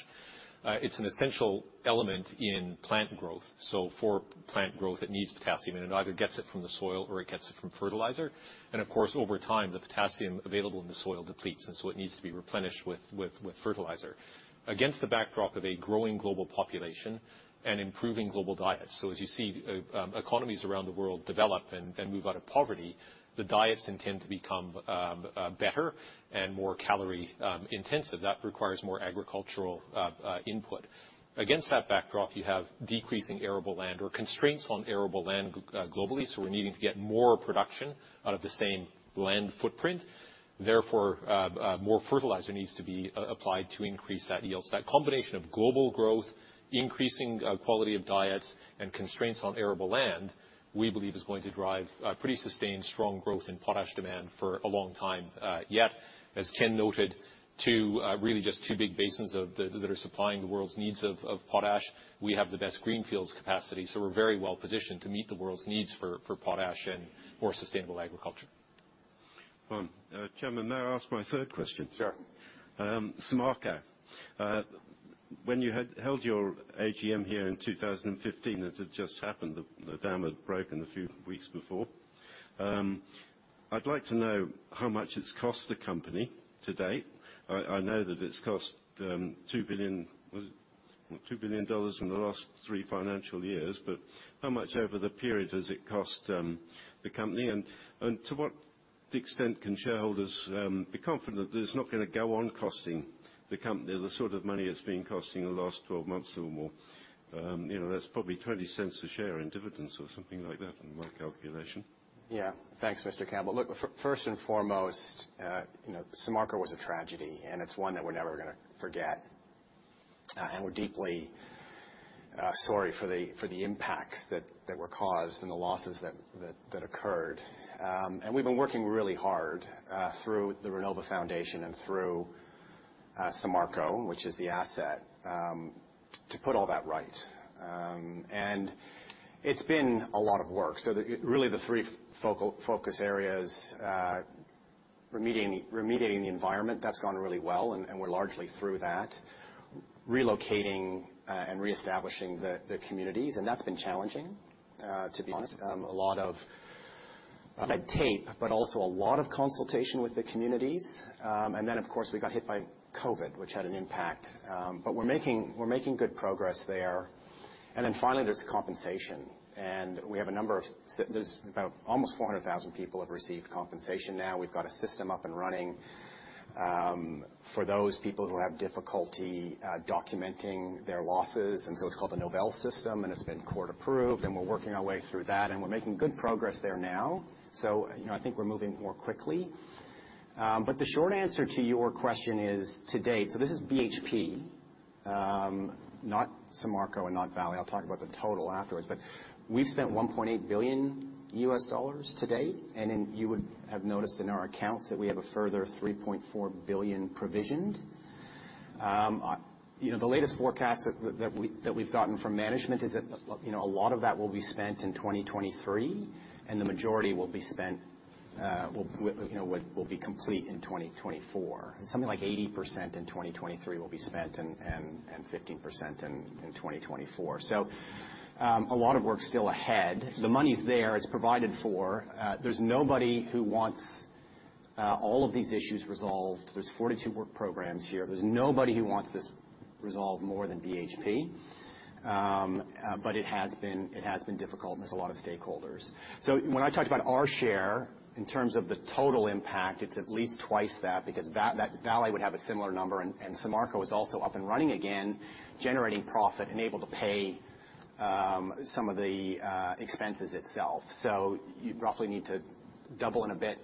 It's an essential element in plant growth. For plant growth, it needs potassium, and it either gets it from the soil or it gets it from fertilizer. Of course, over time, the potassium available in the soil depletes, and so it needs to be replenished with fertilizer. Against the backdrop of a growing global population and improving global diet. As you see, economies around the world develop and move out of poverty, the diets then tend to become better and more calorie intensive. That requires more agricultural input. Against that backdrop, you have decreasing arable land or constraints on arable land globally. We're needing to get more production out of the same land footprint. Therefore, more fertilizer needs to be applied to increase that yield. That combination of global growth, increasing quality of diets, and constraints on arable land, we believe is going to drive pretty sustained strong growth in potash demand for a long time. Yet, as Ken noted, two really just two big basins that are supplying the world's needs of potash. We have the best greenfields capacity, so we're very well-positioned to meet the world's needs for potash and more sustainable agriculture. Well, Chairman, may I ask my third question? Sure. Samarco. When you had held your AGM here in 2015, it had just happened, the dam had broken a few weeks before. I'd like to know how much it's cost the company to date. I know that it's cost $2 billion in the last three financial years. But how much over the period has it cost the company? And to what extent can shareholders be confident that it's not gonna go on costing the company the sort of money it's been costing in the last 12 months or more? You know, that's probably $0.20 a share in dividends or something like that in my calculation. Yeah. Thanks, Mr. Campbell. Look, first and foremost, you know, Samarco was a tragedy, and it's one that we're never gonna forget. We're deeply sorry for the impacts that were caused and the losses that occurred. We've been working really hard through the Renova Foundation and through Samarco, which is the asset, to put all that right. It's been a lot of work. Really the three focus areas, remediating the environment, that's gone really well, and we're largely through that. Relocating and reestablishing the communities, and that's been challenging, to be honest. A lot of red tape, but also a lot of consultation with the communities. Of course, we got hit by COVID, which had an impact. We're making good progress there. Finally, there's compensation. There's about almost 400,000 people have received compensation now. We've got a system up and running for those people who have difficulty documenting their losses. It's called the Novel System, and it's been court-approved, and we're working our way through that, and we're making good progress there now. You know, I think we're moving more quickly. The short answer to your question is, to date, so this is BHP, not Samarco and not Vale. I'll talk about the total afterwards. We've spent $1.8 billion to date. You would have noticed in our accounts that we have a further $3.4 billion provisioned. You know, the latest forecast that we've gotten from management is that, you know, a lot of that will be spent in 2023, and the majority will be spent, you know, will be complete in 2024. Something like 80% in 2023 will be spent and 15% in 2024. A lot of work still ahead. The money's there. It's provided for. There's nobody who wants all of these issues resolved. There's 42 work programs here. There's nobody who wants this resolved more than BHP. It has been difficult, and there's a lot of stakeholders. When I talked about our share in terms of the total impact, it's at least twice that because Vale would have a similar number, and Samarco is also up and running again, generating profit and able to pay some of the expenses itself. You roughly need to double it a bit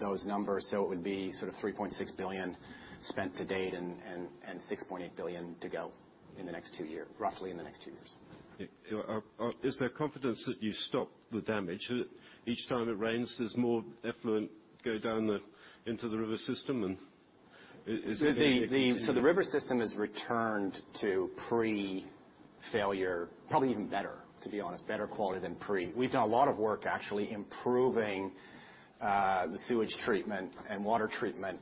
those numbers. It would be sort of $3.6 billion spent to date and $6.8 billion to go in the next two years roughly. Yeah. Is there confidence that you stopped the damage? Each time it rains, there's more effluent go down into the river system, and is there- The, the- -any continuing- The river system has returned to pre-failure, probably even better, to be honest, better quality than pre. We've done a lot of work actually improving the sewage treatment and water treatment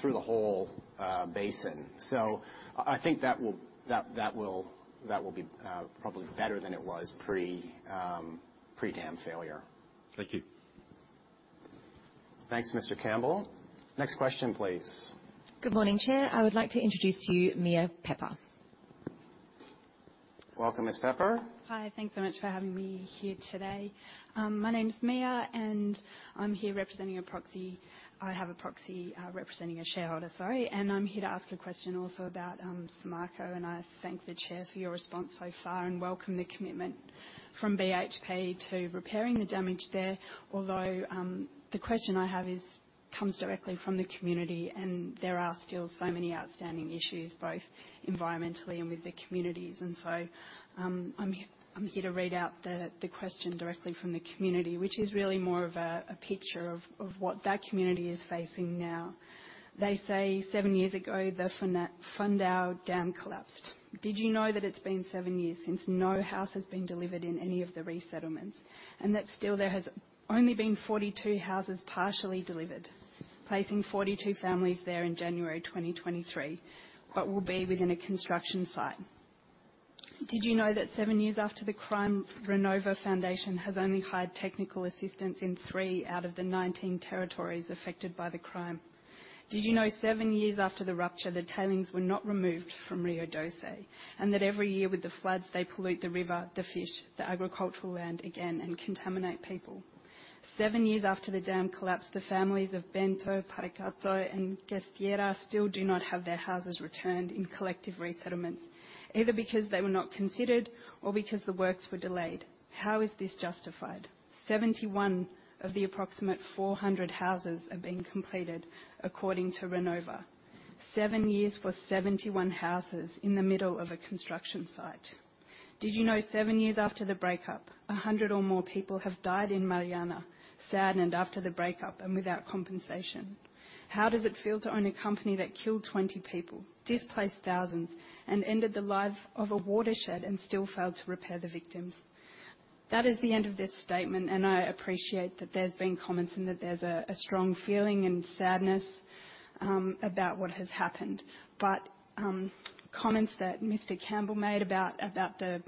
through the whole basin. I think that will be probably better than it was pre-dam failure. Thank you. Thanks, Mr. Campbell. Next question, please. Good morning, Chair. I would like to introduce to you Mia Pepper. Welcome, Ms. Pepper. Hi. Thanks so much for having me here today. My name is Mia, and I'm here representing a proxy. I have a proxy representing a shareholder, sorry. I'm here to ask a question also about Samarco, and I thank the Chair for your response so far and welcome the commitment from BHP to repairing the damage there. Although the question I have comes directly from the community, and there are still so many outstanding issues, both environmentally and with the communities. I'm here to read out the question directly from the community, which is really more of a picture of what that community is facing now. They say seven years ago, the Fundão dam collapsed. Did you know that it's been seven years since no house has been delivered in any of the resettlements, and that still there has only been 42 houses partially delivered, placing 42 families there in January 2023, what will be within a construction site? Did you know that seven years after the crime, Renova Foundation has only hired technical assistance in three out of the 19 territories affected by the crime? Did you know seven years after the rupture, the tailings were not removed from Rio Doce, and that every year with the floods, they pollute the river, the fish, the agricultural land again and contaminate people? Seven years after the dam collapsed, the families of Bento, Paracatu, and Gesteira still do not have their houses returned in collective resettlements, either because they were not considered or because the works were delayed. How is this justified? 71 of the approximate 400 houses are being completed according to Renova. Seven years for 71 houses in the middle of a construction site. Did you know seven years after the dam break, 100 or more people have died in Mariana, since the dam break and without compensation? How does it feel to own a company that killed 20 people, displaced thousands, and ended the lives of a watershed and still failed to repair the victims? That is the end of this statement, and I appreciate that there's been comments and that there's a strong feeling and sadness about what has happened. Comments that Mr.Campbell made about the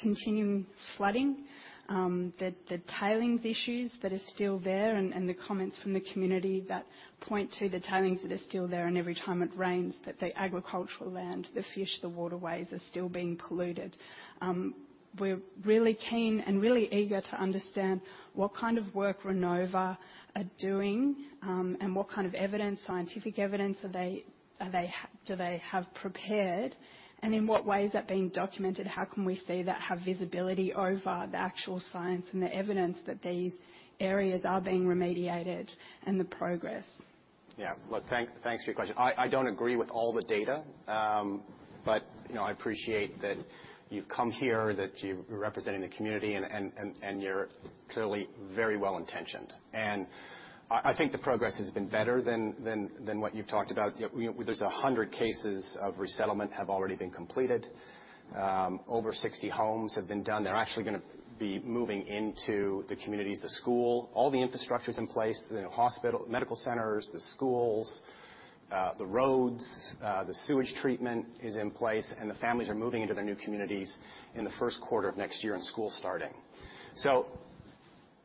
continuing flooding, the tailings issues that are still there and the comments from the community that point to the tailings that are still there, and every time it rains that the agricultural land, the fish, the waterways are still being polluted. We're really keen and really eager to understand what kind of work Renova are doing, and what kind of evidence, scientific evidence do they have prepared, and in what way is that being documented? How can we see that have visibility over the actual science and the evidence that these areas are being remediated and the progress? Yeah. Look, thanks for your question. I don't agree with all the data, but you know, I appreciate that you've come here, that you're representing the community, and you're clearly very well-intentioned. I think the progress has been better than what you've talked about. You know, there's 100 cases of resettlement have already been completed. Over 60 homes have been done. They're actually gonna be moving into the communities, the school. All the infrastructure's in place. The hospital, medical centers, the schools, the roads, the sewage treatment is in place, and the families are moving into their new communities in the first quarter of next year, and school's starting.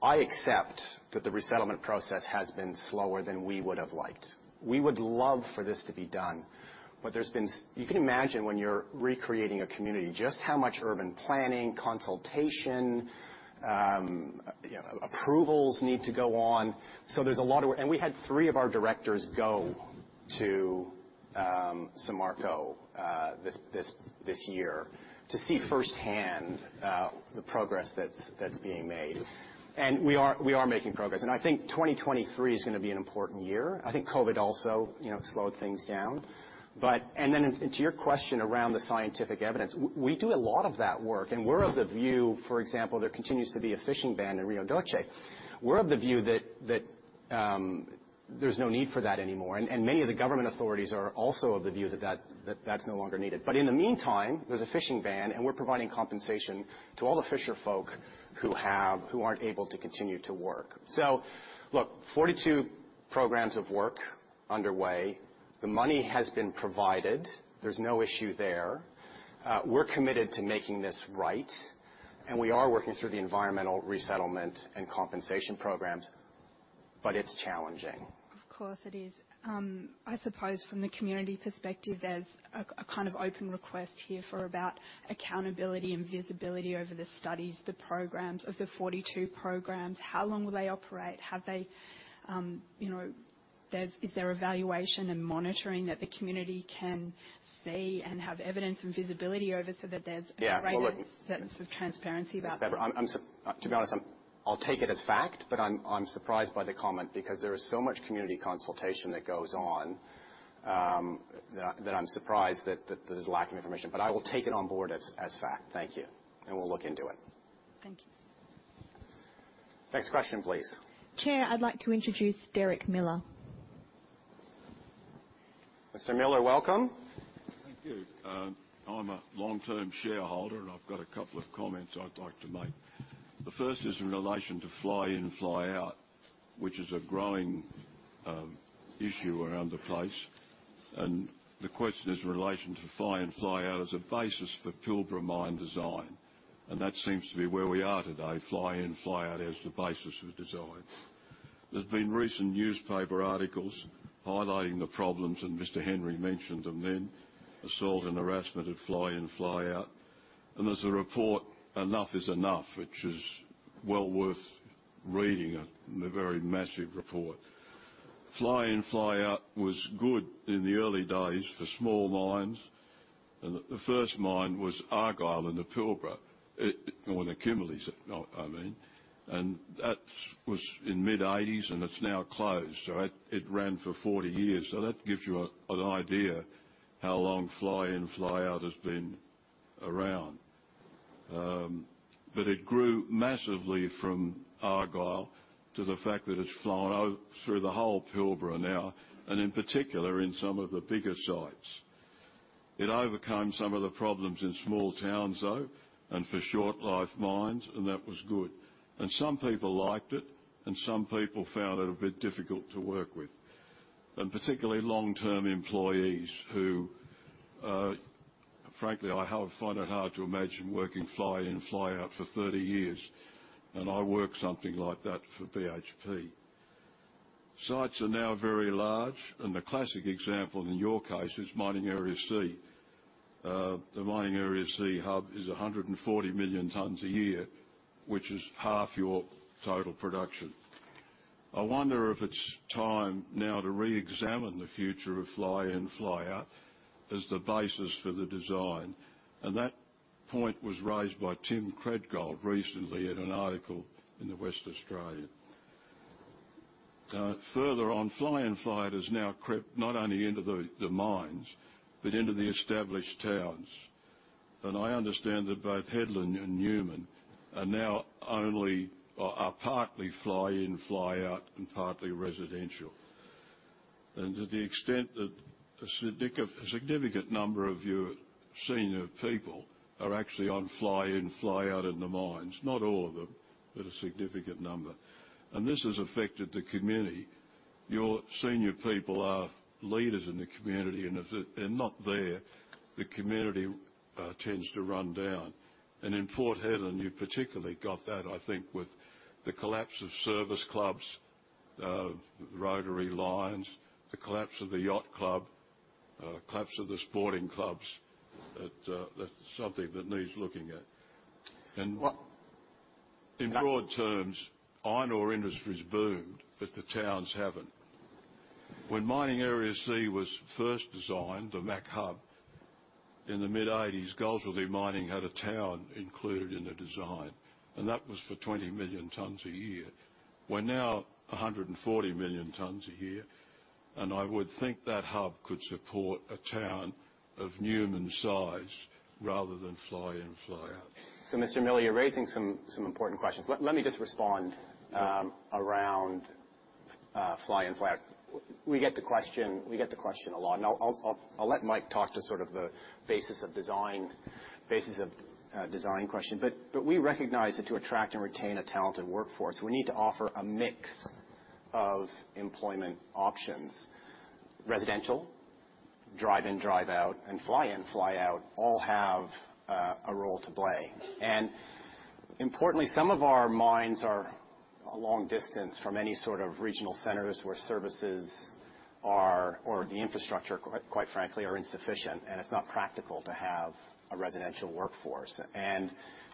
I accept that the resettlement process has been slower than we would have liked. We would love for this to be done, but there's been. You can imagine when you're recreating a community, just how much urban planning, consultation, approvals need to go on. So there's a lot of work. We had three of our directors go to Samarco this year to see firsthand the progress that's being made. We are making progress, and I think 2023 is gonna be an important year. I think COVID also, you know, slowed things down. To your question around the scientific evidence, we do a lot of that work, and we're of the view, for example, there continues to be a fishing ban in Rio Doce. We're of the view that there's no need for that anymore. Many of the government authorities are also of the view that that's no longer needed. In the meantime, there's a fishing ban, and we're providing compensation to all the fisher folk who aren't able to continue to work. Look, 42 programs of work underway. The money has been provided. There's no issue there. We're committed to making this right, and we are working through the environmental resettlement and compensation programs, but it's challenging. Of course it is. I suppose from the community perspective, there's a kind of open request here for about accountability and visibility over the studies, the programs. Of the 42 programs, how long will they operate? Have they evaluation and monitoring that the community can see and have evidence and visibility over so that there's. Yeah. Well, look. a greater sense of transparency about that? To be honest, I'll take it as fact, but I'm surprised by the comment because there is so much community consultation that goes on, that I'm surprised that there's lack of information. I will take it on board as fact. Thank you. We'll look into it. Thank you. Next question, please. Chair, I'd like to introduce Derek Miller. Mr. Miller, welcome. Thank you. I'm a long-term shareholder, and I've got a couple of comments I'd like to make. The first is in relation to fly in, fly out, which is a growing issue around the place. The question is in relation to fly in, fly out as a basis for Pilbara mine design, and that seems to be where we are today, fly in, fly out as the basis of design. There's been recent newspaper articles highlighting the problems, and Mr. Henry mentioned them then, assault and harassment of fly in, fly out. There's a report, Enough is Enough, which is well worth reading. A very massive report. Fly in, fly out was good in the early days for small mines. The first mine was Argyle in the Pilbara, or the Kimberleys, I mean. That was in mid-1980s, and it's now closed. It ran for 40 years. That gives you an idea how long fly-in fly-out has been around. It grew massively from Argyle to the fact that it's flown through the whole Pilbara now, and in particular, in some of the bigger sites. It overcame some of the problems in small towns, though, and for short life mines, and that was good. Some people liked it, and some people found it a bit difficult to work with. Particularly long-term employees who, frankly, I have-- find it hard to imagine working fly-in fly-out for 30 years. I worked something like that for BHP. Sites are now very large, and the classic example in your case is Mining Area C. The Mining Area C hub is 140 million tons a year, which is half your total production. I wonder if it's time now to reexamine the future of fly-in fly-out as the basis for the design. That point was raised by Tim Treadgold recently in an article in The West Australian. Further on fly-in fly-out has now crept not only into the mines but into the established towns. I understand that both Hedland and Newman are partly fly-in fly-out and partly residential. To the extent that a significant number of your senior people are actually on fly-in fly-out in the mines. Not all of them, but a significant number. This has affected the community. Your senior people are leaders in the community, and if they're not there, the community tends to run down. In Port Hedland, you particularly got that, I think, with the collapse of service clubs, Rotary, Lions. The collapse of the yacht club, collapse of the sporting clubs. That's something that needs looking at. Well- In broad terms, iron ore industry's boomed, but the towns haven't. When Mining Area C was first designed, the MAC hub, in the mid-1980s, Goldsworthy Mining had a town included in the design. That was for 20 million tons a year. We're now 140 million tons a year, and I would think that hub could support a town of Newman size rather than fly-in fly-out. Mr. Miller, you're raising some important questions. Let me just respond. Yeah. Around fly-in fly-out. We get the question a lot. I'll let Mike talk to sort of the basis of design question. We recognize that to attract and retain a talented workforce, we need to offer a mix of employment options. Residential, drive-in drive-out, and fly-in fly-out all have a role to play. Importantly, some of our mines are a long distance from any sort of regional centers where services or the infrastructure quite frankly, are insufficient. It's not practical to have a residential workforce.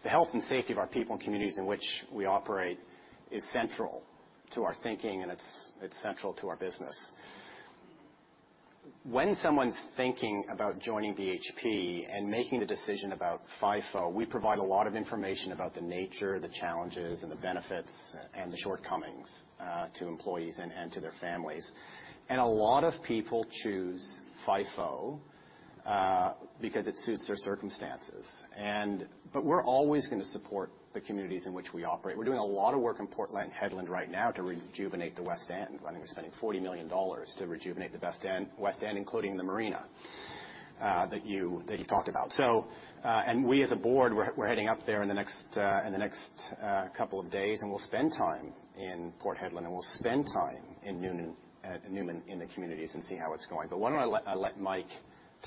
The health and safety of our people and communities in which we operate is central to our thinking, and it's central to our business. When someone's thinking about joining BHP and making the decision about FIFO, we provide a lot of information about the nature, the challenges, and the benefits and the shortcomings to employees and to their families. A lot of people choose FIFO because it suits their circumstances. But we're always gonna support the communities in which we operate. We're doing a lot of work in Port Hedland right now to rejuvenate the West End. I think we're spending $40 million to rejuvenate the West End, including the marina that you talked about. We as a board, we're heading up there in the next couple of days, and we'll spend time in Port Hedland. We'll spend time in Newman, in the communities and see how it's going. Why don't I let Mike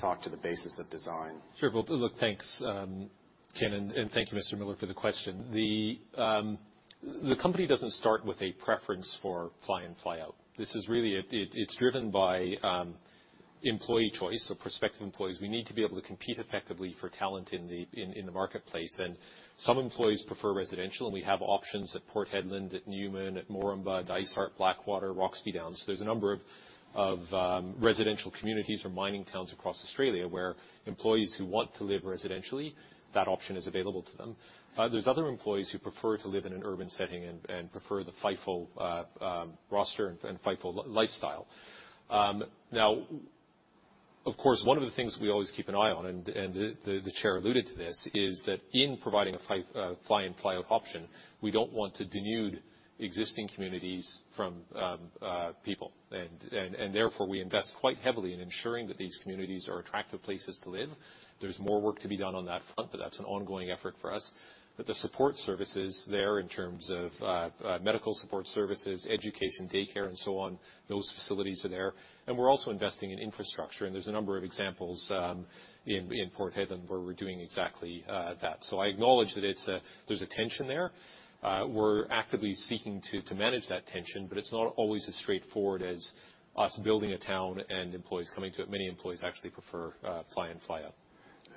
talk to the basis of design. Sure. Well, look, thanks, Ken, and thank you, Mr. Miller, for the question. The company doesn't start with a preference for fly-in fly-out. This is really. It's driven by employee choice or prospective employees. We need to be able to compete effectively for talent in the marketplace. Some employees prefer residential, and we have options at Port Hedland, at Newman, at Moranbah, Dysart, Blackwater, Roxby Downs. There's a number of residential communities or mining towns across Australia where employees who want to live residentially, that option is available to them. There's other employees who prefer to live in an urban setting and prefer the FIFO roster and FIFO lifestyle. Now, of course, one of the things we always keep an eye on, and the chair alluded to this, is that in providing a fly-in fly-out option, we don't want to denude existing communities from people. Therefore, we invest quite heavily in ensuring that these communities are attractive places to live. There's more work to be done on that front, but that's an ongoing effort for us. The support services there in terms of medical support services, education, daycare, and so on, those facilities are there. We're also investing in infrastructure, and there's a number of examples in Port Hedland where we're doing exactly that. I acknowledge that there's a tension there. We're actively seeking to manage that tension, but it's not always as straightforward as us building a town and employees coming to it. Many employees actually prefer fly-in fly-out.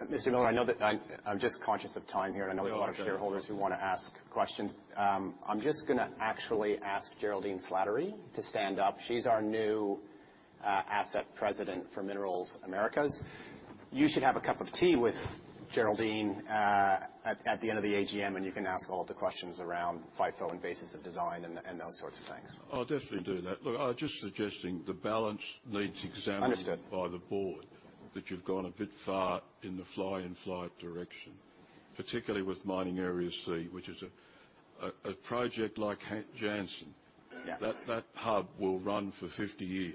Mr. Miller, I know that I'm just conscious of time here. No, I understand. I know there's a lot of shareholders who wanna ask questions. I'm just gonna actually ask Geraldine Slattery to stand up. She's our new Asset President for Minerals Americas. You should have a cup of tea with Geraldine at the end of the AGM, and you can ask all the questions around FIFO and basis of design and those sorts of things. I'll definitely do that. Look, I'm just suggesting the balance needs examined. Understood by the board. That you've gone a bit far in the fly-in fly-out direction. Particularly with Mining Area C, which is a project like Yandi. Yeah. That hub will run for 50 years.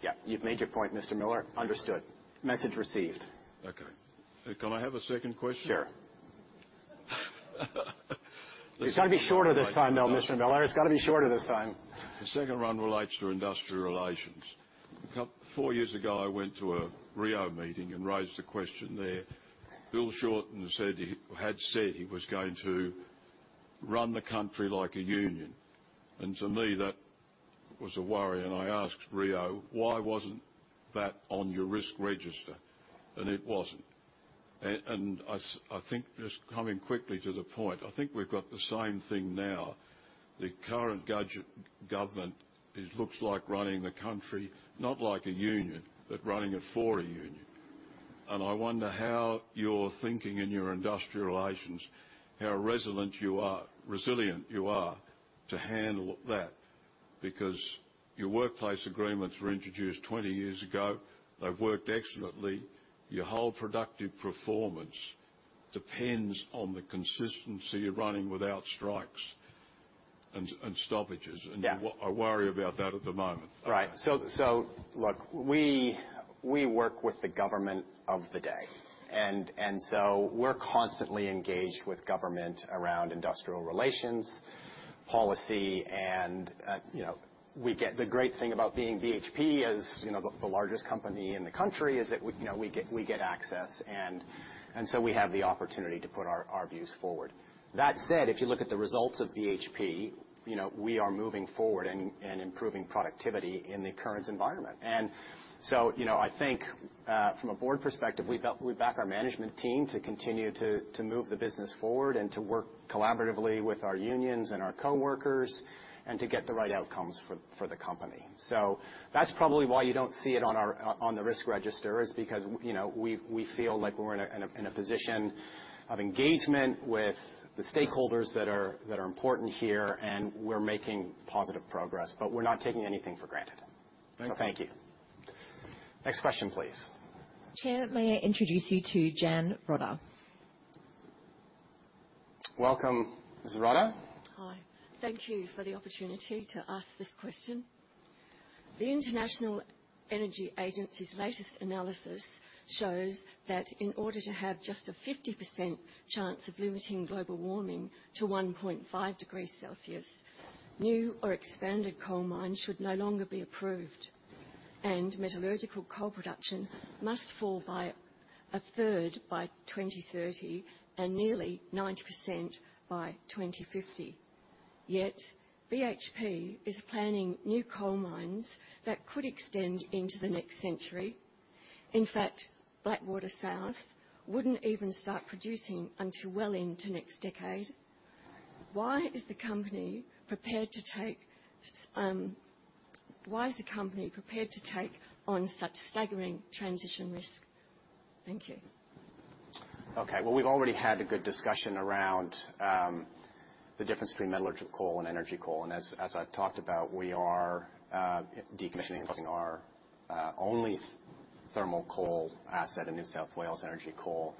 Yeah. You've made your point, Mr. Miller. Understood. Message received. Okay. Can I have a second question? Sure. It's gotta be shorter this time, though, Mr. Miller. It's gotta be shorter this time. The second one relates to industrial relations. Four years ago, I went to a Rio meeting and raised a question there. Bill Shorten said he was going to run the country like a union. To me, that was a worry. I asked Rio, "Why wasn't that on your risk register?" It wasn't. I think, just coming quickly to the point, I think we've got the same thing now. The current government looks like running the country not like a union, but running it for a union. I wonder how you're thinking in your industrial relations, how resilient you are to handle that. Because your workplace agreements were introduced 20 years ago. They've worked excellently. Your whole productive performance depends on the consistency of running without strikes and stoppages. Yeah. I worry about that at the moment. Right. Look, we work with the government of the day. We're constantly engaged with government around industrial relations policy and, you know, we get. The great thing about being BHP, you know, the largest company in the country is that we, you know, we get access and so we have the opportunity to put our views forward. That said, if you look at the results of BHP, you know, we are moving forward and improving productivity in the current environment. You know, I think, from a board perspective, we back our management team to continue to move the business forward and to work collaboratively with our unions and our coworkers, and to get the right outcomes for the company. That's probably why you don't see it on the risk register is because, you know, we feel like we're in a position of engagement with the stakeholders that are important here, and we're making positive progress. We're not taking anything for granted. Thank you. Thank you. Next question, please. Chair, may I introduce you to Jan Rotta? Welcome, Ms. Rotta. Hi. Thank you for the opportunity to ask this question. The International Energy Agency's latest analysis shows that in order to have just a 50% chance of limiting global warming to 1.5 degrees Celsius, new or expanded coal mines should no longer be approved. Metallurgical coal production must fall by a third by 2030 and nearly 90% by 2050. Yet, BHP is planning new coal mines that could extend into the next century. In fact, South Blackwater wouldn't even start producing until well into next decade. Why is the company prepared to take on such staggering transition risk? Thank you. Okay. Well, we've already had a good discussion around the difference between metallurgical coal and energy coal. As I've talked about, we are decommissioning our only thermal coal asset in New South Wales Energy Coal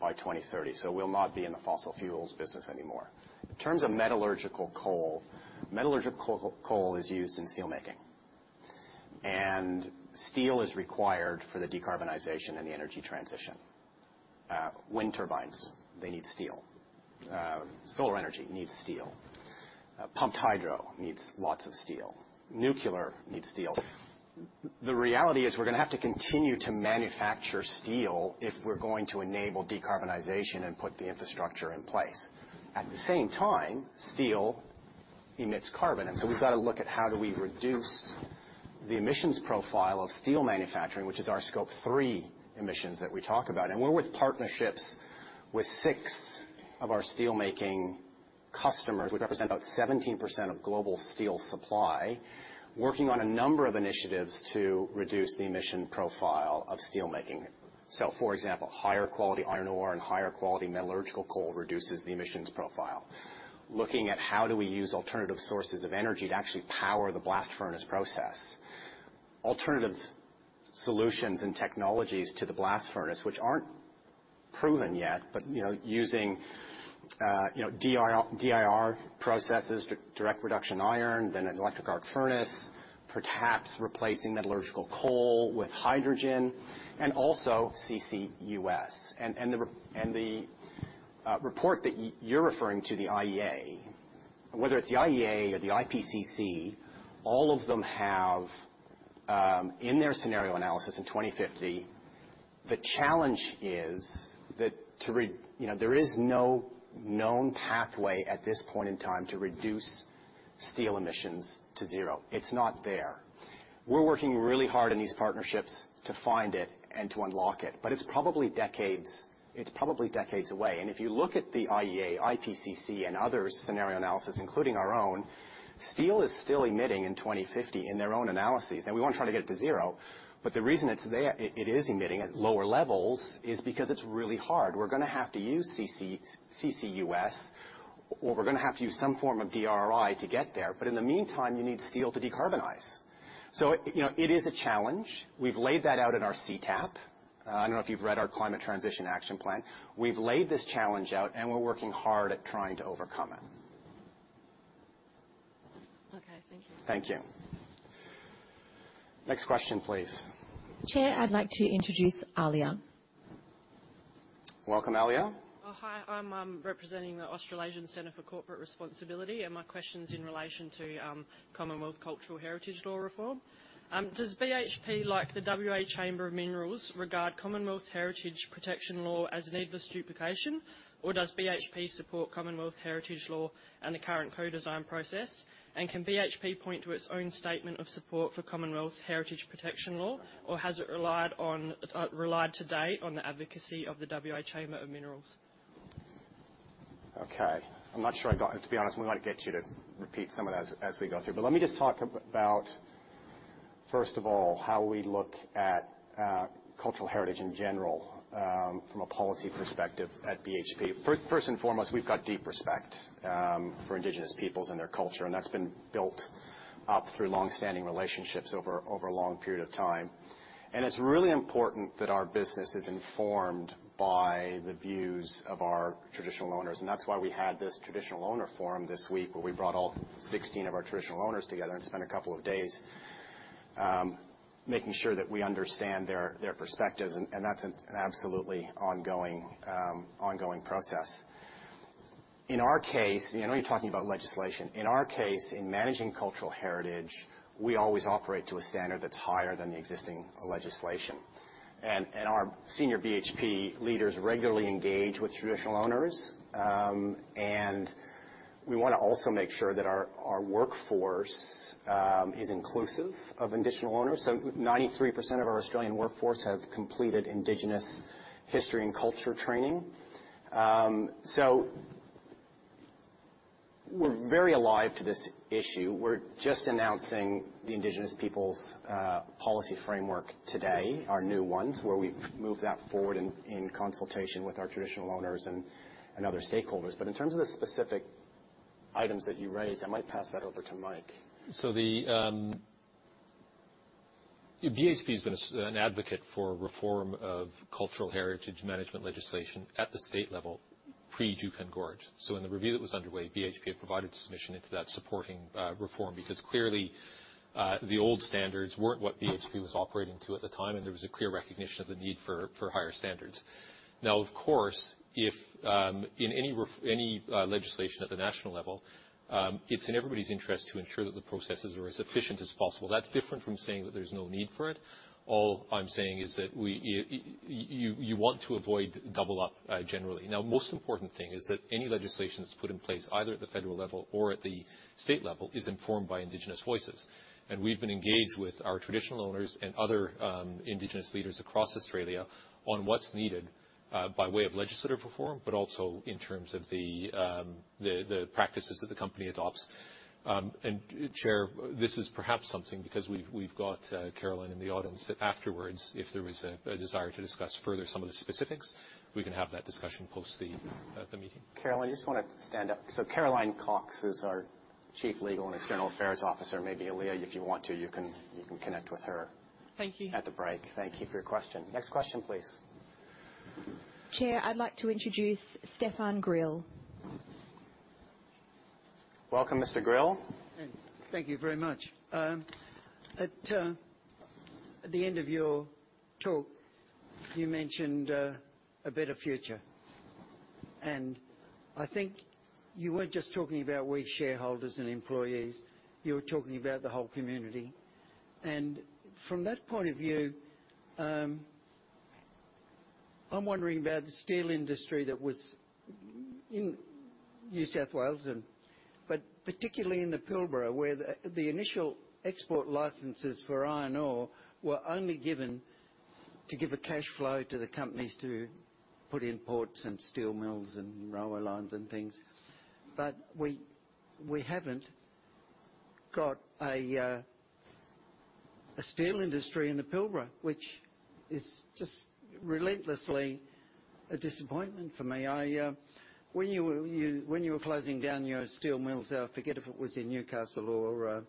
by 2030. We'll not be in the fossil fuels business anymore. In terms of metallurgical coal, metallurgical coal is used in steel making. Steel is required for the decarbonization and the energy transition. Wind turbines need steel. Solar energy needs steel. Pumped hydro needs lots of steel. Nuclear needs steel. The reality is we're gonna have to continue to manufacture steel if we're going to enable decarbonization and put the infrastructure in place. At the same time, steel emits carbon. We've got to look at how do we reduce the emissions profile of steel manufacturing, which is our scope three emissions that we talk about. We're with partnerships with six of our steel making customers, which represent about 17% of global steel supply, working on a number of initiatives to reduce the emission profile of steel making. For example, higher quality iron ore and higher quality metallurgical coal reduces the emissions profile. Looking at how do we use alternative sources of energy to actually power the blast furnace process. Alternative solutions and technologies to the blast furnace, which aren't proven yet, but you know using DRI processes, direct reduced iron, then an electric arc furnace, perhaps replacing metallurgical coal with hydrogen and also CCUS. The report that you're referring to, the IEA. Whether it's the IEA or the IPCC, all of them have in their scenario analysis in 2050, the challenge is that you know, there is no known pathway at this point in time to reduce steel emissions to zero. It's not there. We're working really hard in these partnerships to find it and to unlock it. But it's probably decades away. If you look at the IEA, IPCC and others' scenario analysis, including our own. Steel is still emitting in 2050 in their own analyses. Now we wanna try to get it to zero, but the reason it's there, it is emitting at lower levels is because it's really hard. We're gonna have to use CCUS, or we're gonna have to use some form of DRI to get there. But in the meantime, you need steel to decarbonize. You know, it is a challenge. We've laid that out in our CTAP. I don't know if you've read our Climate Transition Action Plan. We've laid this challenge out, and we're working hard at trying to overcome it. Okay, thank you. Thank you. Next question, please. Chair, I'd like to introduce Alia. Welcome, Alia. Oh, hi. I'm representing the Australasian Centre for Corporate Responsibility, and my question's in relation to Commonwealth Cultural Heritage Law Reform. Does BHP, like the WA Chamber of Minerals, regard Commonwealth Heritage protection law as needless duplication, or does BHP support Commonwealth Heritage law and the current co-design process? Can BHP point to its own statement of support for Commonwealth Heritage protection law, or has it relied to date on the advocacy of the WA Chamber of Minerals? Okay. I'm not sure I got it. To be honest, we might get you to repeat some of those as we go through. Let me just talk about, first of all, how we look at cultural heritage in general from a policy perspective at BHP. First and foremost, we've got deep respect for indigenous peoples and their culture, and that's been built up through long-standing relationships over a long period of time. It's really important that our business is informed by the views of our traditional owners, and that's why we had this traditional owner forum this week, where we brought all 16 of our traditional owners together and spent a couple of days making sure that we understand their perspectives, and that's an absolutely ongoing process. In our case, you know, I know you're talking about legislation. In our case, in managing cultural heritage, we always operate to a standard that's higher than the existing legislation. Our senior BHP leaders regularly engage with traditional owners, and we wanna also make sure that our workforce is inclusive of Indigenous owners. 93% of our Australian workforce have completed Indigenous history and culture training. We're very alive to this issue. We're just announcing the Indigenous people's policy framework today, our new ones, where we've moved that forward in consultation with our traditional owners and other stakeholders. In terms of the specific items that you raised, I might pass that over to Mike. BHP's been an advocate for reform of cultural heritage management legislation at the state level pre-Juukan Gorge. In the review that was underway, BHP had provided submission into that supporting reform because clearly the old standards weren't what BHP was operating to at the time, and there was a clear recognition of the need for higher standards. Now, of course, if in any legislation at the national level, it's in everybody's interest to ensure that the processes are as efficient as possible. That's different from saying that there's no need for it. All I'm saying is that you want to avoid double up generally. Now, most important thing is that any legislation that's put in place, either at the federal level or at the state level, is informed by Indigenous voices. We've been engaged with our traditional owners and other Indigenous leaders across Australia on what's needed by way of legislative reform, but also in terms of the practices that the company adopts. Chair, this is perhaps something, because we've got Caroline in the audience, that afterwards, if there is a desire to discuss further some of the specifics, we can have that discussion post the meeting. Caroline, you just wanna stand up. Caroline Cox is our Chief Legal and External Affairs Officer. Maybe Alia, if you want to, you can connect with her. Thank you. At the break. Thank you for your question. Next question, please. Chair, I'd like to introduce Stefan Grill. Welcome, Mr. Grill. Thanks. Thank you very much. At the end of your talk, you mentioned a better future. I think you weren't just talking about we shareholders and employees, you were talking about the whole community. From that point of view, I'm wondering about the steel industry that was in New South Wales but particularly in the Pilbara, where the initial export licenses for iron ore were only given to give a cash flow to the companies to put in ports and steel mills and railway lines and things. We haven't got a steel industry in the Pilbara, which is just relentlessly a disappointment for me. When you were closing down your steel mills, I forget if it was in Newcastle or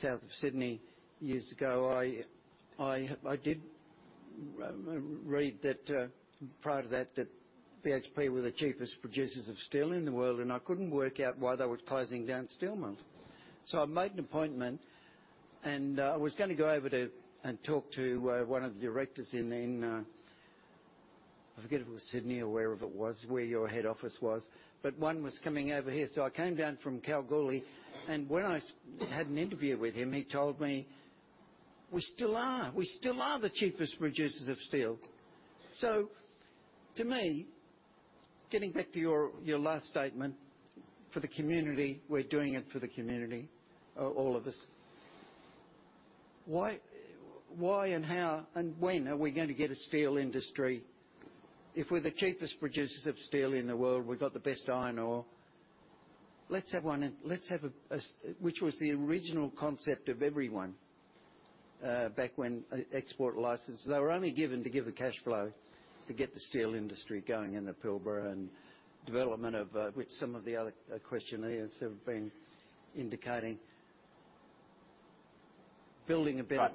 south of Sydney years ago, I did read that prior to that that BHP were the cheapest producers of steel in the world, and I couldn't work out why they were closing down steel mills. I made an appointment, and I was gonna go over to and talk to one of the directors in I forget if it was Sydney or wherever it was, where your head office was, but one was coming over here. I came down from Kalgoorlie, and when I had an interview with him, he told me, "We still are. We still are the cheapest producers of steel." To me, getting back to your last statement, for the community, we're doing it for the community, all of us. Why and how and when are we going to get a steel industry if we're the cheapest producers of steel in the world? We've got the best iron ore. Let's have a. Which was the original concept of everyone, back when export licenses, they were only given to give a cash flow to get the steel industry going in the Pilbara and development of, which some of the other questioners have been indicating. Building a better.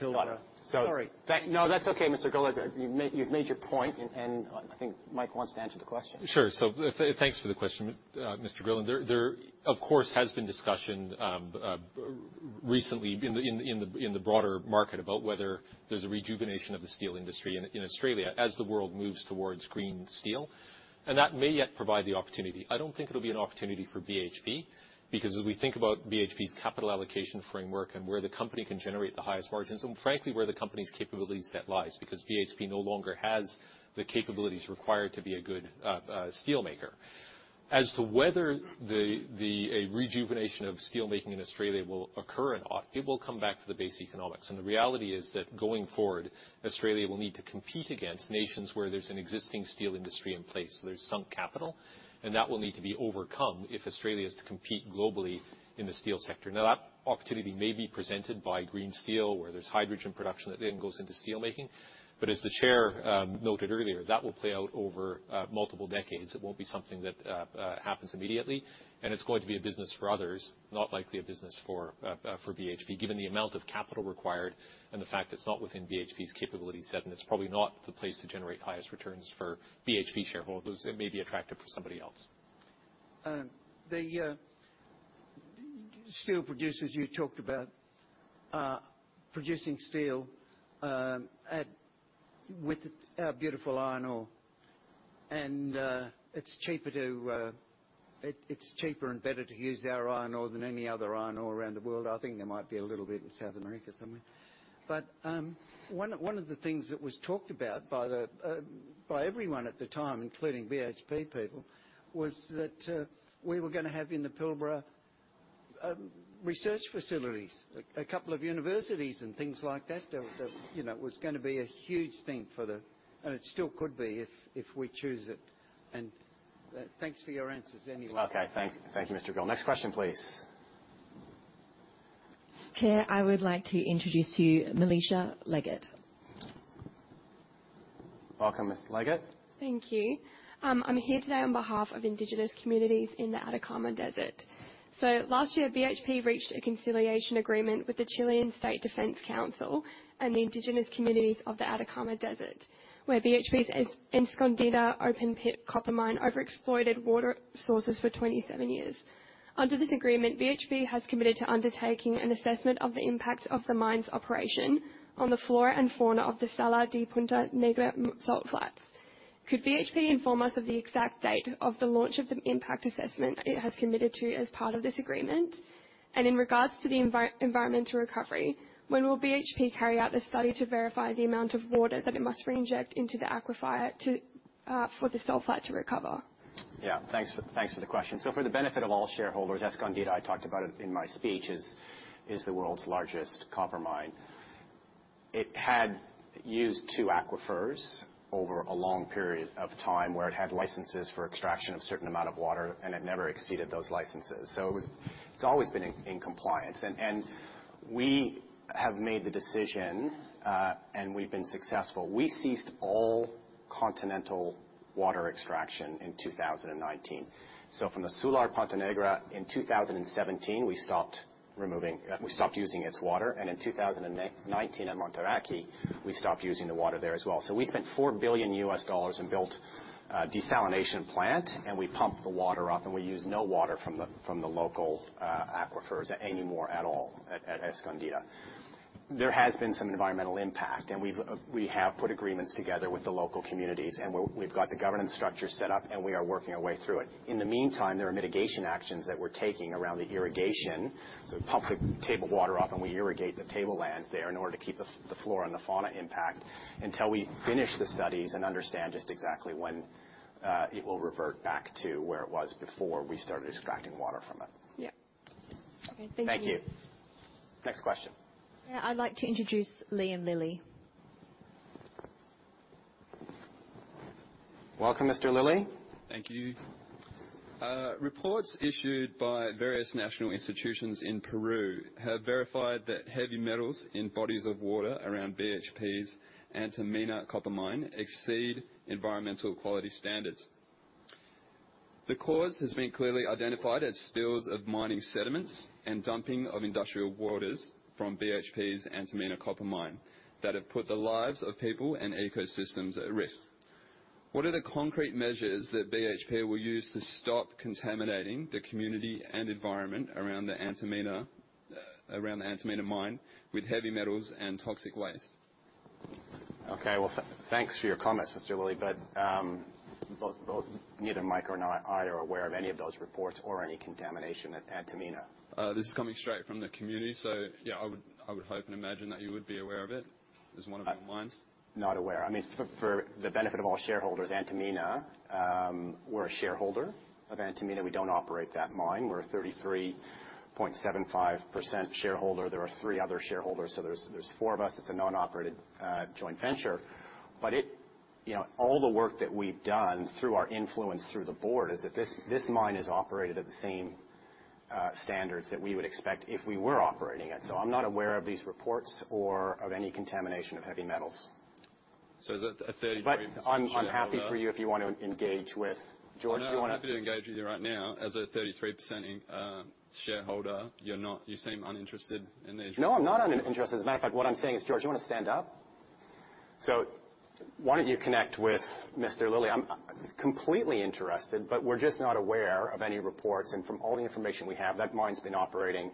Right. Pilbara. So- Sorry. No, that's okay, Mr. Grill. As you've made your point. I think Mike wants to answer the question. Sure. Thanks for the question, Mr. Grill. There of course has been discussion recently in the broader market about whether there's a rejuvenation of the steel industry in Australia as the world moves towards green steel, and that may yet provide the opportunity. I don't think it'll be an opportunity for BHP because as we think about BHP's capital allocation framework and where the company can generate the highest margins and frankly where the company's capability set lies because BHP no longer has the capabilities required to be a good steel maker. As to whether a rejuvenation of steel making in Australia will occur at all, it will come back to the base economics. The reality is that going forward, Australia will need to compete against nations where there's an existing steel industry in place, so there's some capital, and that will need to be overcome if Australia is to compete globally in the steel sector. Now that opportunity may be presented by green steel, where there's hydrogen production that then goes into steel making. As the chair noted earlier, that will play out over multiple decades. It won't be something that happens immediately, and it's going to be a business for others, not likely a business for BHP, given the amount of capital required and the fact it's not within BHP's capability set, and it's probably not the place to generate highest returns for BHP shareholders. It may be attractive for somebody else. The steel producers you talked about are producing steel with our beautiful iron ore. It's cheaper and better to use our iron ore than any other iron ore around the world. I think there might be a little bit in South America somewhere. One of the things that was talked about by everyone at the time, including BHP people, was that we were gonna have in the Pilbara research facilities, a couple of universities and things like that. That, you know, was gonna be a huge thing for the. It still could be if we choose it. Thanks for your answers anyway. Okay. Thanks. Thank you, Mr. Grill. Next question, please. Chair, I would like to introduce you to Melissa Leggett. Welcome, Ms. Leggett. Thank you. I'm here today on behalf of indigenous communities in the Atacama Desert. Last year, BHP reached a conciliation agreement with the Chilean State Defense Council and the indigenous communities of the Atacama Desert, where BHP's Escondida open-pit copper mine overexploited water sources for 27 years. Under this agreement, BHP has committed to undertaking an assessment of the impact of the mine's operation on the flora and fauna of the Salar de Punta Negra salt flats. Could BHP inform us of the exact date of the launch of the impact assessment it has committed to as part of this agreement? In regards to the environmental recovery, when will BHP carry out a study to verify the amount of water that it must reinject into the aquifer to, for the salt flat to recover? Thanks for the question. For the benefit of all shareholders, Escondida, I talked about it in my speech, is the world's largest copper mine. It had used two aquifers over a long period of time, where it had licenses for extraction of certain amount of water, and it never exceeded those licenses. It was. It's always been in compliance. We have made the decision, and we've been successful. We ceased all continental water extraction in 2019. From the Salar Punta Negra in 2017, we stopped using its water. In 2019 at Monturaqui, we stopped using the water there as well. We spent $4 billion and built a desalination plant, and we pump the water up, and we use no water from the local aquifers anymore at all at Escondida. There has been some environmental impact, and we have put agreements together with the local communities, and we've got the governance structure set up, and we are working our way through it. In the meantime, there are mitigation actions that we're taking around the irrigation. We pump the table water up, and we irrigate the tablelands there in order to keep the flora and the fauna impact until we finish the studies and understand just exactly when it will revert back to where it was before we started extracting water from it. Yeah. Okay. Thank you. Thank you. Next question. Yeah. I'd like to introduce Liam Lilley. Welcome, Mr. Lilley. Thank you. Reports issued by various national institutions in Peru have verified that heavy metals in bodies of water around BHP's Antamina copper mine exceed environmental quality standards. The cause has been clearly identified as spills of mining sediments and dumping of industrial waters from BHP's Antamina copper mine that have put the lives of people and ecosystems at risk. What are the concrete measures that BHP will use to stop contaminating the community and environment around the Antamina mine with heavy metals and toxic waste? Okay. Well, thanks for your comments, Mr. Lilley. Neither Mike nor I are aware of any of those reports or any contamination at Antamina. This is coming straight from the community. Yeah, I would hope and imagine that you would be aware of it. Is one of the mines? Not aware. I mean, for the benefit of all shareholders, Antamina, we're a shareholder of Antamina. We don't operate that mine. We're 33.75% shareholder. There are three other shareholders, so there's four of us. It's a non-operated joint venture. It, you know, all the work that we've done through our influence through the board is that this mine is operated at the same standards that we would expect if we were operating it. I'm not aware of these reports or of any contamination of heavy metals. as a 33% shareholder- I'm happy for you if you wanna engage with George. I'm happy to engage with you right now. As a 33% shareholder, you seem uninterested in these reports. No, I'm not uninterested. As a matter of fact, what I'm saying is, George, you wanna stand up? Why don't you connect with Mr. Lilley? I'm completely interested, but we're just not aware of any reports. From all the information we have, that mine's been operating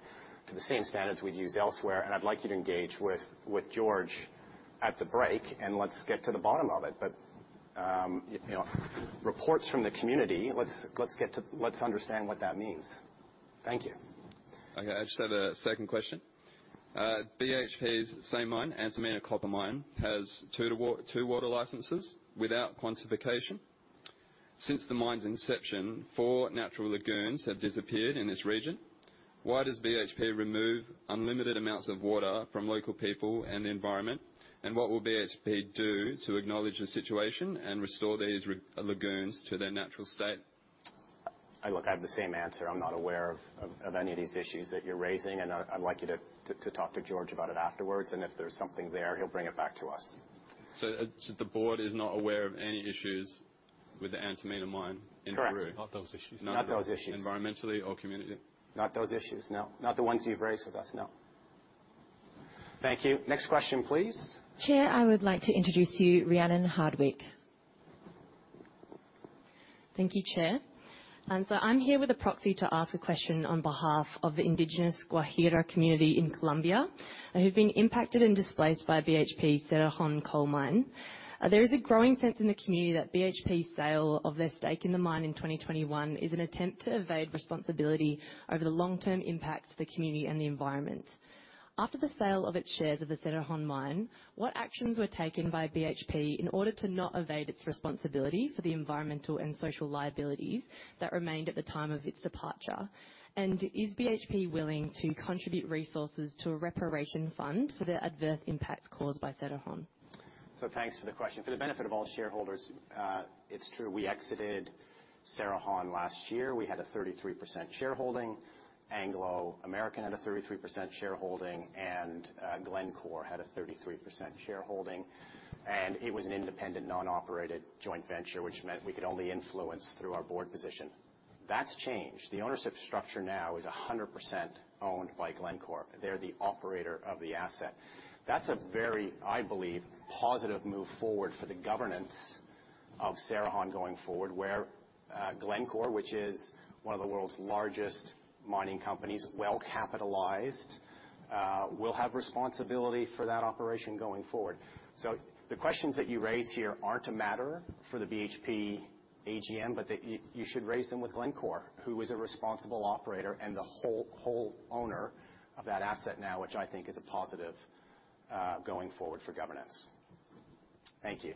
to the same standards we'd use elsewhere, and I'd like you to engage with George at the break, and let's get to the bottom of it. You know, reports from the community, let's get to understand what that means. Thank you. Okay. I just have a second question. BHP's same mine, Antamina copper mine, has two water licenses without quantification. Since the mine's inception, four natural lagoons have disappeared in this region. Why does BHP remove unlimited amounts of water from local people and the environment? What will BHP do to acknowledge the situation and restore these lagoons to their natural state? Look, I have the same answer. I'm not aware of any of these issues that you're raising. I'd like you to talk to George about it afterwards. If there's something there, he'll bring it back to us. The board is not aware of any issues with the Antamina mine in Peru? Correct. Not those issues, no. Not those issues. Environmentally or community? Not those issues, no. Not the ones you've raised with us, no. Thank you. Next question, please. Chair, I would like to introduce to you Rhiannon Hardwick. Thank you, Chair. I'm here with a proxy to ask a question on behalf of the indigenous Guajira community in Colombia, who've been impacted and displaced by BHP's Cerrejón coal mine. There is a growing sense in the community that BHP's sale of their stake in the mine in 2021 is an attempt to evade responsibility over the long-term impacts to the community and the environment. After the sale of its shares of the Cerrejón mine, what actions were taken by BHP in order to not evade its responsibility for the environmental and social liabilities that remained at the time of its departure? Is BHP willing to contribute resources to a reparation fund for the adverse impacts caused by Cerrejón? Thanks for the question. For the benefit of all shareholders, it's true, we exited Cerrejón last year. We had a 33% shareholding. Anglo American had a 33% shareholding, and Glencore had a 33% shareholding. It was an independent, non-operated joint venture, which meant we could only influence through our board position. That's changed. The ownership structure now is 100% owned by Glencore. They're the operator of the asset. That's a very, I believe, positive move forward for the governance of Cerrejón going forward, where Glencore, which is one of the world's largest mining companies, well-capitalized, will have responsibility for that operation going forward. The questions that you raise here aren't a matter for the BHP AGM, but you should raise them with Glencore, who is a responsible operator and the whole owner of that asset now, which I think is a positive going forward for governance. Thank you.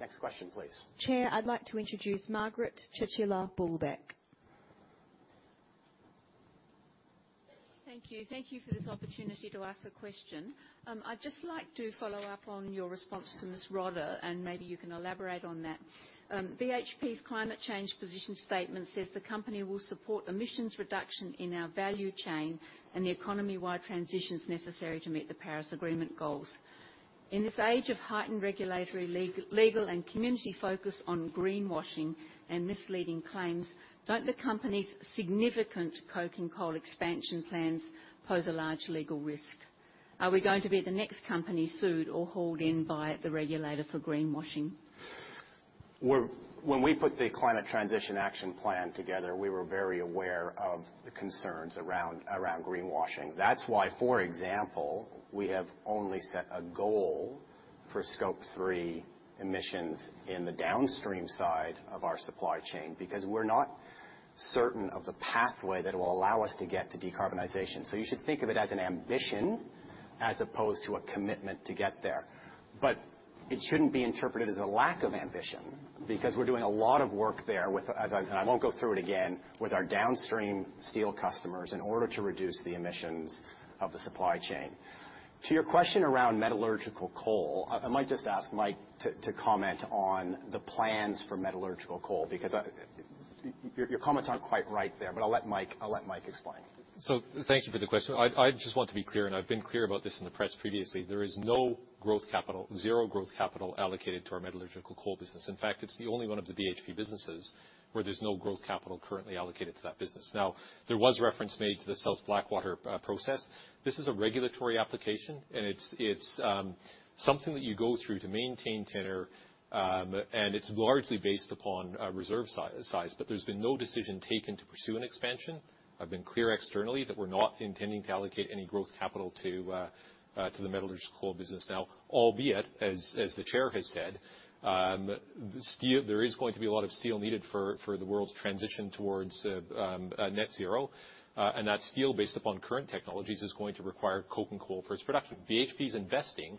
Next question, please. Chair, I'd like to introduce Margaret Chinchilla Bulbeck. Thank you. Thank you for this opportunity to ask a question. I'd just like to follow up on your response to Ms. Rotta, and maybe you can elaborate on that. BHP's climate change position statement says the company will support emissions reduction in our value chain and the economy-wide transitions necessary to meet the Paris Agreement goals. In this age of heightened regulatory, legal and community focus on greenwashing and misleading claims, don't the company's significant coking coal expansion plans pose a large legal risk? Are we going to be the next company sued or hauled in by the regulator for greenwashing? When we put the Climate Transition Action Plan together, we were very aware of the concerns around greenwashing. That's why, for example, we have only set a goal for Scope three emissions in the downstream side of our supply chain, because we're not certain of the pathway that will allow us to get to decarbonization. You should think of it as an ambition as opposed to a commitment to get there. It shouldn't be interpreted as a lack of ambition, because we're doing a lot of work there with, and I won't go through it again, with our downstream steel customers in order to reduce the emissions of the supply chain. To your question around metallurgical coal, I might just ask Mike to comment on the plans for metallurgical coal because your comments aren't quite right there, but I'll let Mike explain. Thank you for the question. I just want to be clear, and I've been clear about this in the press previously. There is no growth capital, zero growth capital allocated to our metallurgical coal business. In fact, it's the only one of the BHP businesses where there's no growth capital currently allocated to that business. Now, there was reference made to the South Blackwater process. This is a regulatory application, and it's something that you go through to maintain tenure, and it's largely based upon reserve size, but there's been no decision taken to pursue an expansion. I've been clear externally that we're not intending to allocate any growth capital to the metallurgical coal business. Albeit, as the chair has said, steel, there is going to be a lot of steel needed for the world's transition towards net zero, and that steel, based upon current technologies, is going to require coking coal for its production. BHP's investing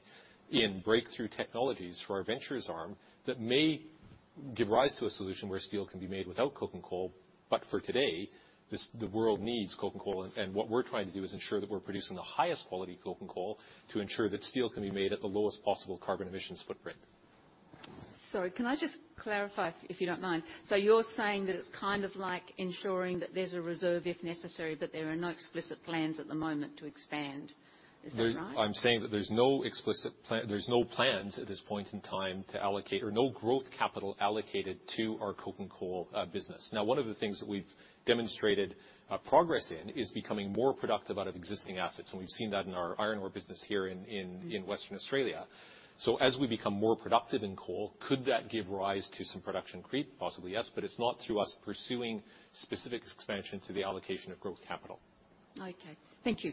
in breakthrough technologies through our ventures arm that may give rise to a solution where steel can be made without coking coal. For today, this world needs coking coal. What we're trying to do is ensure that we're producing the highest quality coking coal to ensure that steel can be made at the lowest possible carbon emissions footprint. Sorry. Can I just clarify, if you don't mind. You're saying that it's kind of like ensuring that there's a reserve if necessary, but there are no explicit plans at the moment to expand. Is that right? I'm saying that there's no explicit plan. There's no plans at this point in time to allocate or no growth capital allocated to our coking coal business. Now, one of the things that we've demonstrated progress in is becoming more productive out of existing assets. We've seen that in our iron ore business here in Western Australia. As we become more productive in coal, could that give rise to some production creep? Possibly, yes. It's not through us pursuing specific expansion to the allocation of growth capital. Okay. Thank you.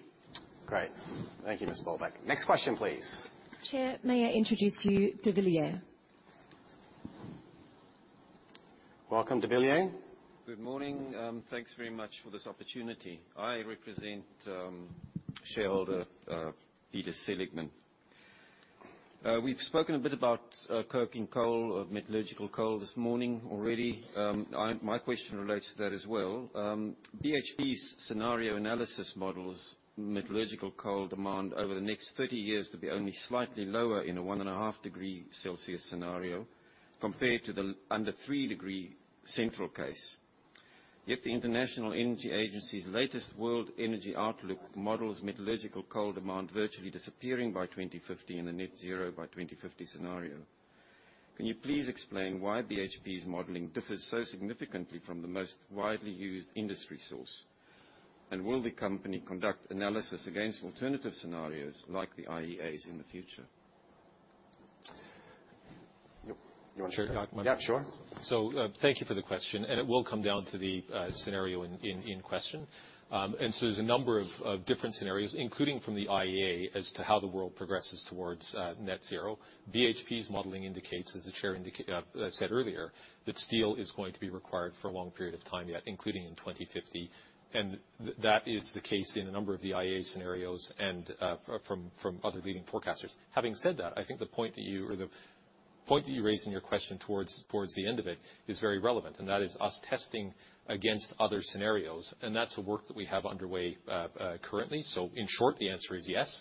Great. Thank you, Ms. Bulbeck. Next question, please. Chair, may I introduce you de Villiers? Welcome, de Villiers. Good morning. Thanks very much for this opportunity. I represent shareholder Peter Seligman. We've spoken a bit about coking coal or metallurgical coal this morning already. My question relates to that as well. BHP's scenario analysis models metallurgical coal demand over the next 30 years to be only slightly lower in a 1.5-degree Celsius scenario compared to the under three-degree central case. Yet the International Energy Agency's latest World Energy Outlook models metallurgical coal demand virtually disappearing by 2050 in the net zero by 2050 scenario. Can you please explain why BHP's modeling differs so significantly from the most widely used industry source? And will the company conduct analysis against alternative scenarios like the IEA's in the future? You want me to talk about this? Yeah, sure. Thank you for the question, and it will come down to the scenario in question. There's a number of different scenarios, including from the IEA, as to how the world progresses towards net zero. BHP's modeling indicates, as the chair said earlier, that steel is going to be required for a long period of time yet, including in 2050, and that is the case in a number of the IEA scenarios and from other leading forecasters. Having said that, I think the point that you raise in your question towards the end of it is very relevant, and that is us testing against other scenarios, and that's the work that we have underway currently. In short, the answer is yes.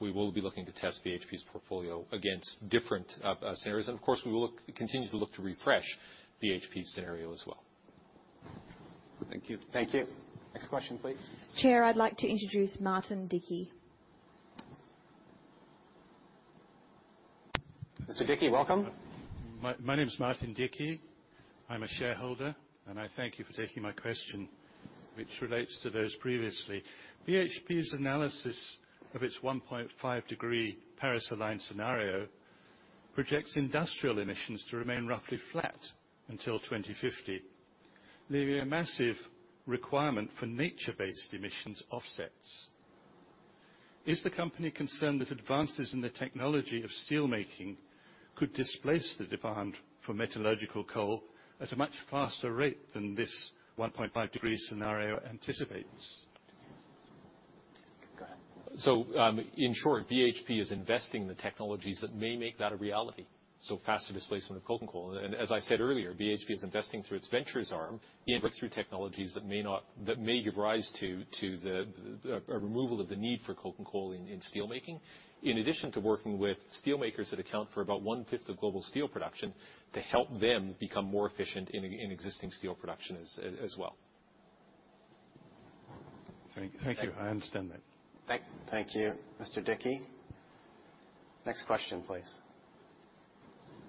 We will be looking to test BHP's portfolio against different scenarios. Of course, we will continue to look to refresh BHP's scenario as well. Thank you. Thank you. Next question, please. Chair, I'd like to introduce Martin Dickie. Mr. Dickie, welcome. My name is Martin Dickie. I'm a shareholder, and I thank you for taking my question, which relates to those previously. BHP's analysis of its 1.5-degree Paris-aligned scenario projects industrial emissions to remain roughly flat until 2050, leaving a massive requirement for nature-based emissions offsets. Is the company concerned that advances in the technology of steel making could displace the demand for metallurgical coal at a much faster rate than this 1.5-degree scenario anticipates? In short, BHP is investing in the technologies that may make that a reality, faster displacement of coking coal. As I said earlier, BHP is investing through its ventures arm in breakthrough technologies that may give rise to a removal of the need for coking coal in steel making. In addition to working with steel makers that account for about one-fifth of global steel production to help them become more efficient in existing steel production as well. Thank you. I understand that. Thank you, Mr. Dickie. Next question, please.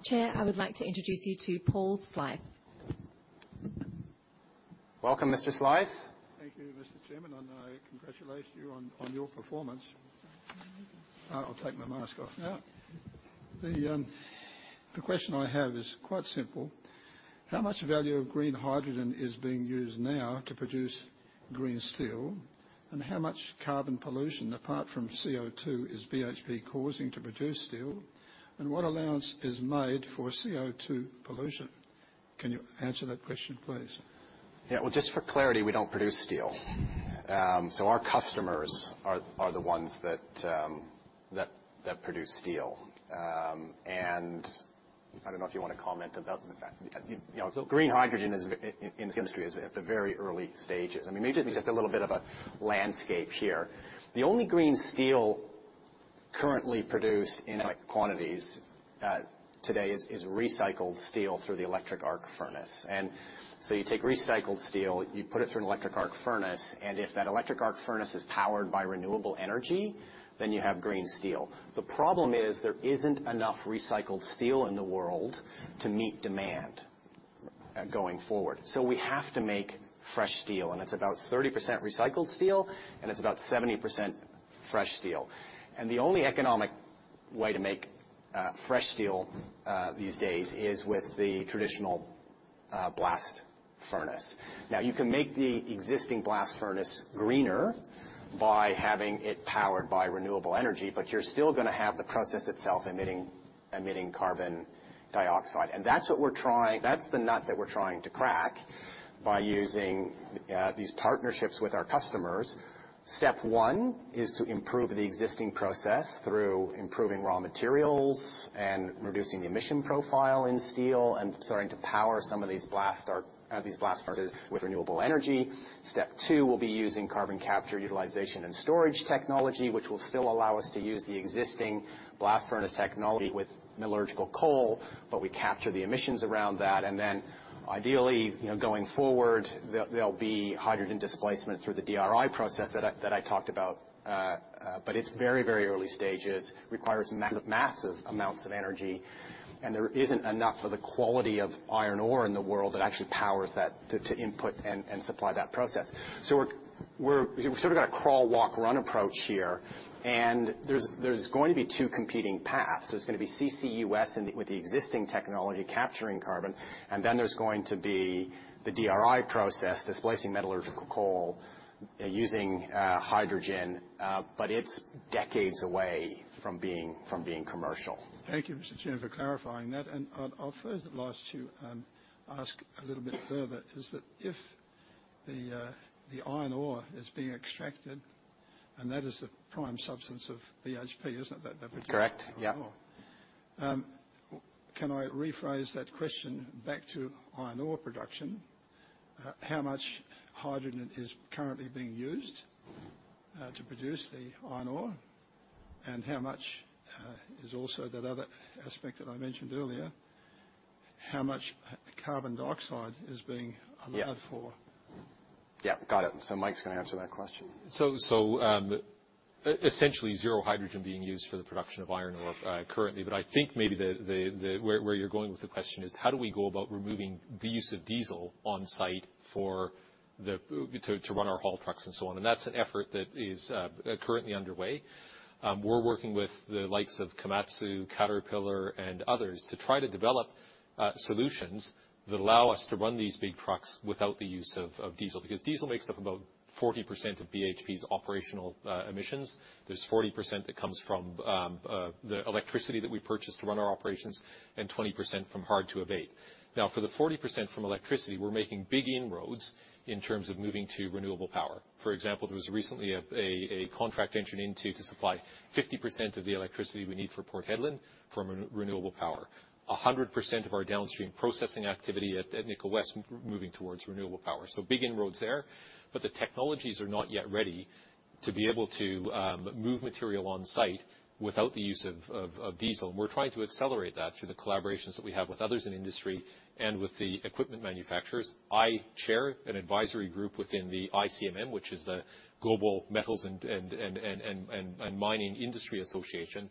Chair, I would like to introduce you to Paul Slythe. Welcome, Mr. Slythe. Thank you, Mr. Chairman, and I congratulate you on your performance. I'll take my mask off now. The question I have is quite simple. How much value of green hydrogen is being used now to produce green steel? And how much carbon pollution apart from CO2 is BHP causing to produce steel? And what allowance is made for CO2 pollution? Can you answer that question, please? Yeah. Well, just for clarity, we don't produce steel. Our customers are the ones that produce steel. I don't know if you wanna comment about the fact, you know. So- Green hydrogen in this industry is at the very early stages. I mean, maybe just a little bit of a landscape here. The only green steel currently produced in quantities today is recycled steel through the electric arc furnace. You take recycled steel, you put it through an electric arc furnace, and if that electric arc furnace is powered by renewable energy, then you have green steel. The problem is there isn't enough recycled steel in the world to meet demand going forward. We have to make fresh steel, and it's about 30% recycled steel, and it's about 70% fresh steel. The only economic way to make fresh steel these days is with the traditional blast furnace. Now, you can make the existing blast furnace greener by having it powered by renewable energy, but you're still gonna have the process itself emitting carbon dioxide. That's the nut that we're trying to crack by using these partnerships with our customers. Step one is to improve the existing process through improving raw materials and reducing the emission profile in steel and starting to power some of these blast furnaces with renewable energy. Step two, we'll be using carbon capture utilization and storage technology, which will still allow us to use the existing blast furnace technology with metallurgical coal, but we capture the emissions around that. Then ideally, you know, going forward, there'll be hydrogen displacement through the DRI process that I talked about. But it's very early stages. Requires massive amounts of energy, and there isn't enough of the quality of iron ore in the world that actually powers that to input and supply that process. We're sort of got a crawl, walk, run approach here, and there's going to be two competing paths. There's gonna be CCUS with the existing technology capturing carbon, and then there's going to be the DRI process, displacing metallurgical coal using hydrogen, but it's decades away from being commercial. Thank you, Mr. Chairman, for clarifying that. I'll further like to ask a little bit further, is that if the iron ore is being extracted, and that is the prime substance of BHP, isn't it? That would be Correct. Yeah. Can I rephrase that question back to iron ore production? How much hydrogen is currently being used to produce the iron ore? How much is also that other aspect that I mentioned earlier, how much carbon dioxide is being allowed for? Yeah. Got it. Mike's gonna answer that question. Essentially zero hydrogen being used for the production of iron ore, currently. I think maybe where you're going with the question is how do we go about removing the use of diesel on-site to run our haul trucks and so on? That's an effort that is currently underway. We're working with the likes of Komatsu, Caterpillar, and others to try to develop solutions that allow us to run these big trucks without the use of diesel, because diesel makes up about 40% of BHP's operational emissions. There's 40% that comes from the electricity that we purchase to run our operations and 20% from hard to abate. Now, for the 40% from electricity, we're making big inroads in terms of moving to renewable power. For example, there was recently a contract entered into to supply 50% of the electricity we need for Port Hedland from renewable power. 100% of our downstream processing activity at Nickel West moving towards renewable power. Big inroads there. The technologies are not yet ready to be able to move material on-site without the use of diesel. We're trying to accelerate that through the collaborations that we have with others in the industry and with the equipment manufacturers. I chair an advisory group within the ICMM, which is the International Council on Mining and Metals,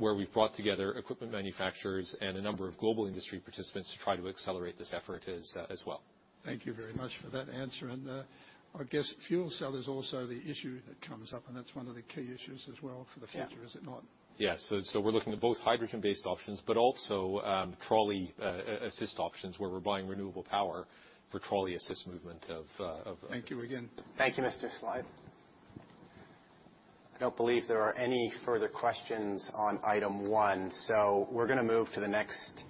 where we've brought together equipment manufacturers and a number of global industry participants to try to accelerate this effort as well. Thank you very much for that answer. I guess fuel cell is also the issue that comes up, and that's one of the key issues as well for the future, is it not? Yeah. We're looking at both hydrogen-based options, but also, trolley assist options, where we're buying renewable power for trolley-assist movement of of- Thank you again. Thank you, Mr. Slythe. I don't believe there are any further questions on item one, so we're gonna move to the next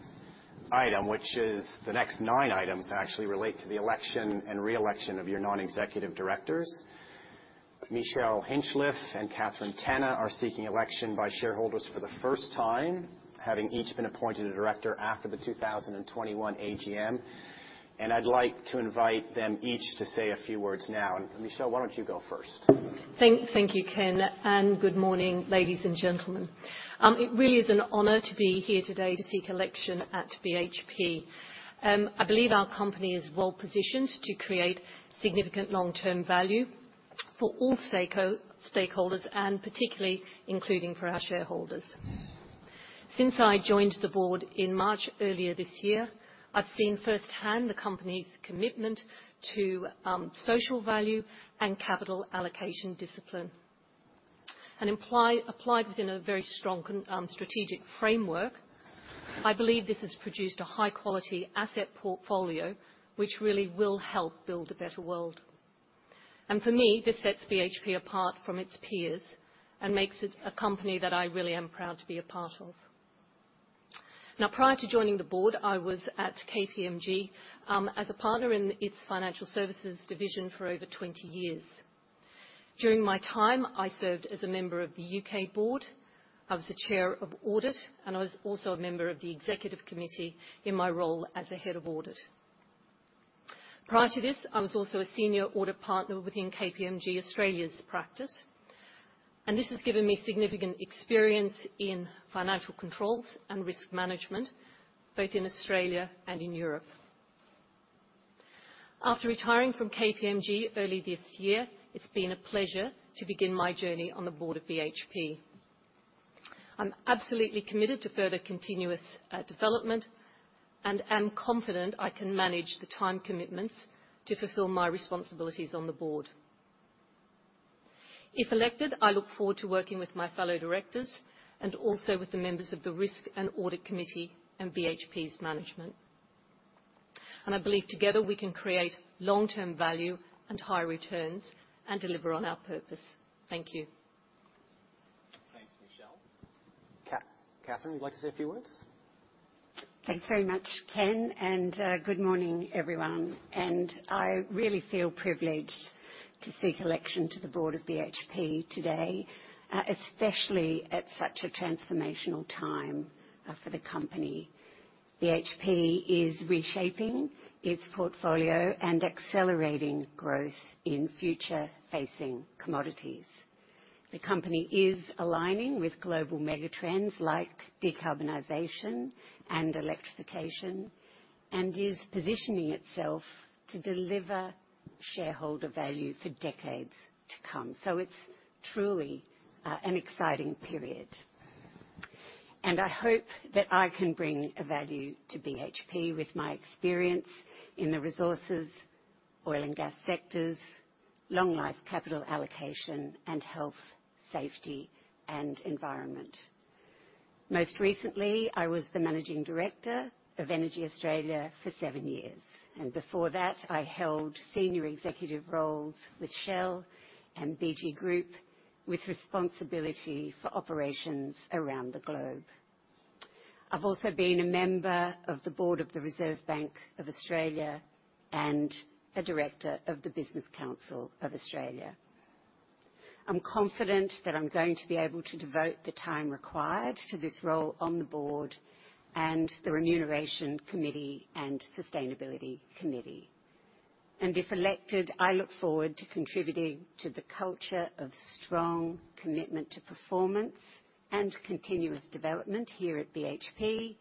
item, which is the next nine items actually relate to the election and reelection of your non-executive directors. Michelle Hinchliffe and Catherine Tanna are seeking election by shareholders for the first time, having each been appointed a director after the 2021 AGM. I'd like to invite them each to say a few words now. Michelle, why don't you go first? Thank you, Ken. Good morning, ladies and gentlemen. It really is an honor to be here today to seek election at BHP. I believe our company is well-positioned to create significant long-term value for all stakeholders, and particularly including for our shareholders. Since I joined the board in March earlier this year, I've seen firsthand the company's commitment to social value and capital allocation discipline. Applied within a very strong strategic framework, I believe this has produced a high-quality asset portfolio, which really will help build a better world. For me, this sets BHP apart from its peers and makes it a company that I really am proud to be a part of. Now, prior to joining the board, I was at KPMG as a partner in its financial services division for over 20 years. During my time, I served as a member of the U.K. board. I was the Chair of Audit, and I was also a member of the Executive Committee in my role as the Head of Audit. Prior to this, I was also a Senior Audit Partner within KPMG Australia's practice, and this has given me significant experience in financial controls and risk management, both in Australia and in Europe. After retiring from KPMG early this year, it's been a pleasure to begin my journey on the board of BHP. I'm absolutely committed to further continuous development and am confident I can manage the time commitments to fulfill my responsibilities on the board. If elected, I look forward to working with my fellow directors and also with the members of the Risk and Audit Committee and BHP's management. I believe together we can create long-term value and high returns and deliver on our purpose. Thank you. Michelle. Catherine, would you like to say a few words? Thanks very much, Ken, and good morning, everyone. I really feel privileged to seek election to the board of BHP today, especially at such a transformational time, for the company. BHP is reshaping its portfolio and accelerating growth in future-facing commodities. The company is aligning with global mega trends like decarbonization and electrification, and is positioning itself to deliver shareholder value for decades to come. It's truly an exciting period. I hope that I can bring a value to BHP with my experience in the resources, oil and gas sectors, long life capital allocation, and health, safety and environment. Most recently, I was the managing director of EnergyAustralia for seven years. Before that, I held senior executive roles with Shell and BG Group, with responsibility for operations around the globe. I've also been a member of the board of the Reserve Bank of Australia and a director of the Business Council of Australia. I'm confident that I'm going to be able to devote the time required to this role on the board and the Remuneration Committee and Sustainability Committee. If elected, I look forward to contributing to the culture of strong commitment to performance and continuous development here at BHP,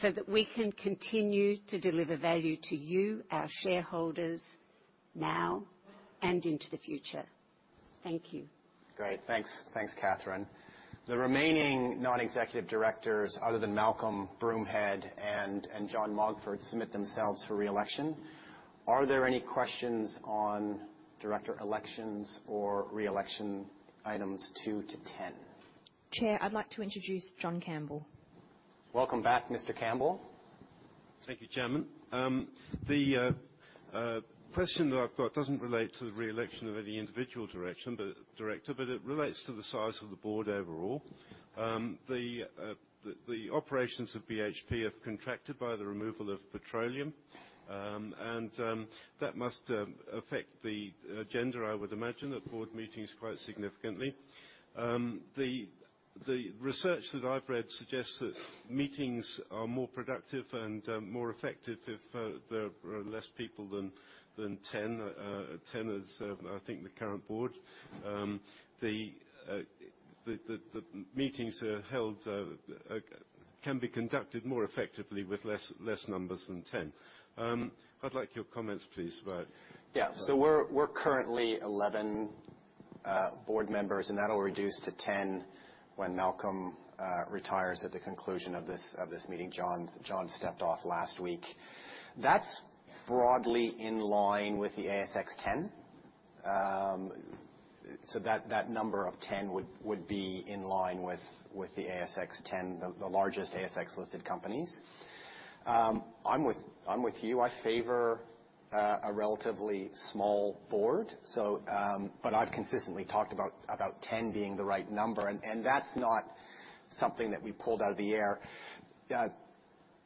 so that we can continue to deliver value to you, our shareholders, now and into the future. Thank you. Great. Thanks. Thanks, Catherine. The remaining non-executive directors, other than Malcolm Broomhead and John Mogford, submit themselves for re-election. Are there any questions on director elections or re-election items two to 10? Chair, I'd like to introduce John Campbell. Welcome back, Mr. Campbell. Thank you, Chairman. The question that I've got doesn't relate to the re-election of any individual director, but it relates to the size of the board overall. The operations of BHP have contracted by the removal of petroleum. That must affect the agenda, I would imagine, at board meetings quite significantly. The research that I've read suggests that meetings are more productive and more effective if there are less people than 10. 10 is, I think, the current board. The meetings can be conducted more effectively with less numbers than 10. I'd like your comments, please, about. We're currently 11 board members, and that'll reduce to 10 when Malcolm retires at the conclusion of this meeting. John stepped off last week. That's broadly in line with the ASX 10. That number of 10 would be in line with the ASX 10, the largest ASX-listed companies. I'm with you. I favor a relatively small board. I've consistently talked about 10 being the right number, and that's not something that we pulled out of the air.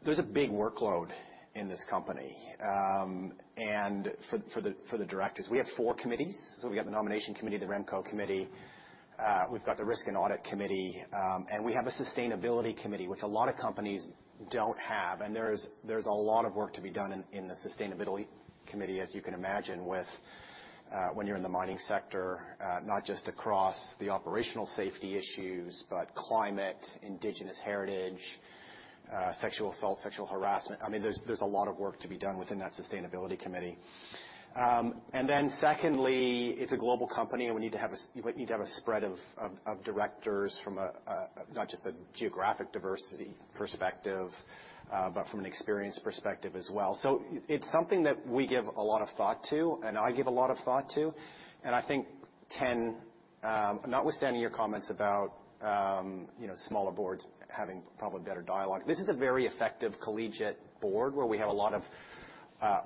There's a big workload in this company, and for the directors. We have four committees. We've got the Nomination Committee, the RemCo Committee, we've got the Risk and Audit Committee, and we have a Sustainability Committee, which a lot of companies don't have. There's a lot of work to be done in the Sustainability Committee, as you can imagine, with when you're in the mining sector, not just across the operational safety issues, but climate, indigenous heritage, sexual assault, sexual harassment. I mean, there's a lot of work to be done within that Sustainability Committee. Secondly, it's a global company and we need to have a spread of directors from a not just a geographic diversity perspective, but from an experience perspective as well. It's something that we give a lot of thought to, and I give a lot of thought to. I think 10, notwithstanding your comments about, you know, smaller boards having probably better dialogue, this is a very effective collegiate board where we have a lot of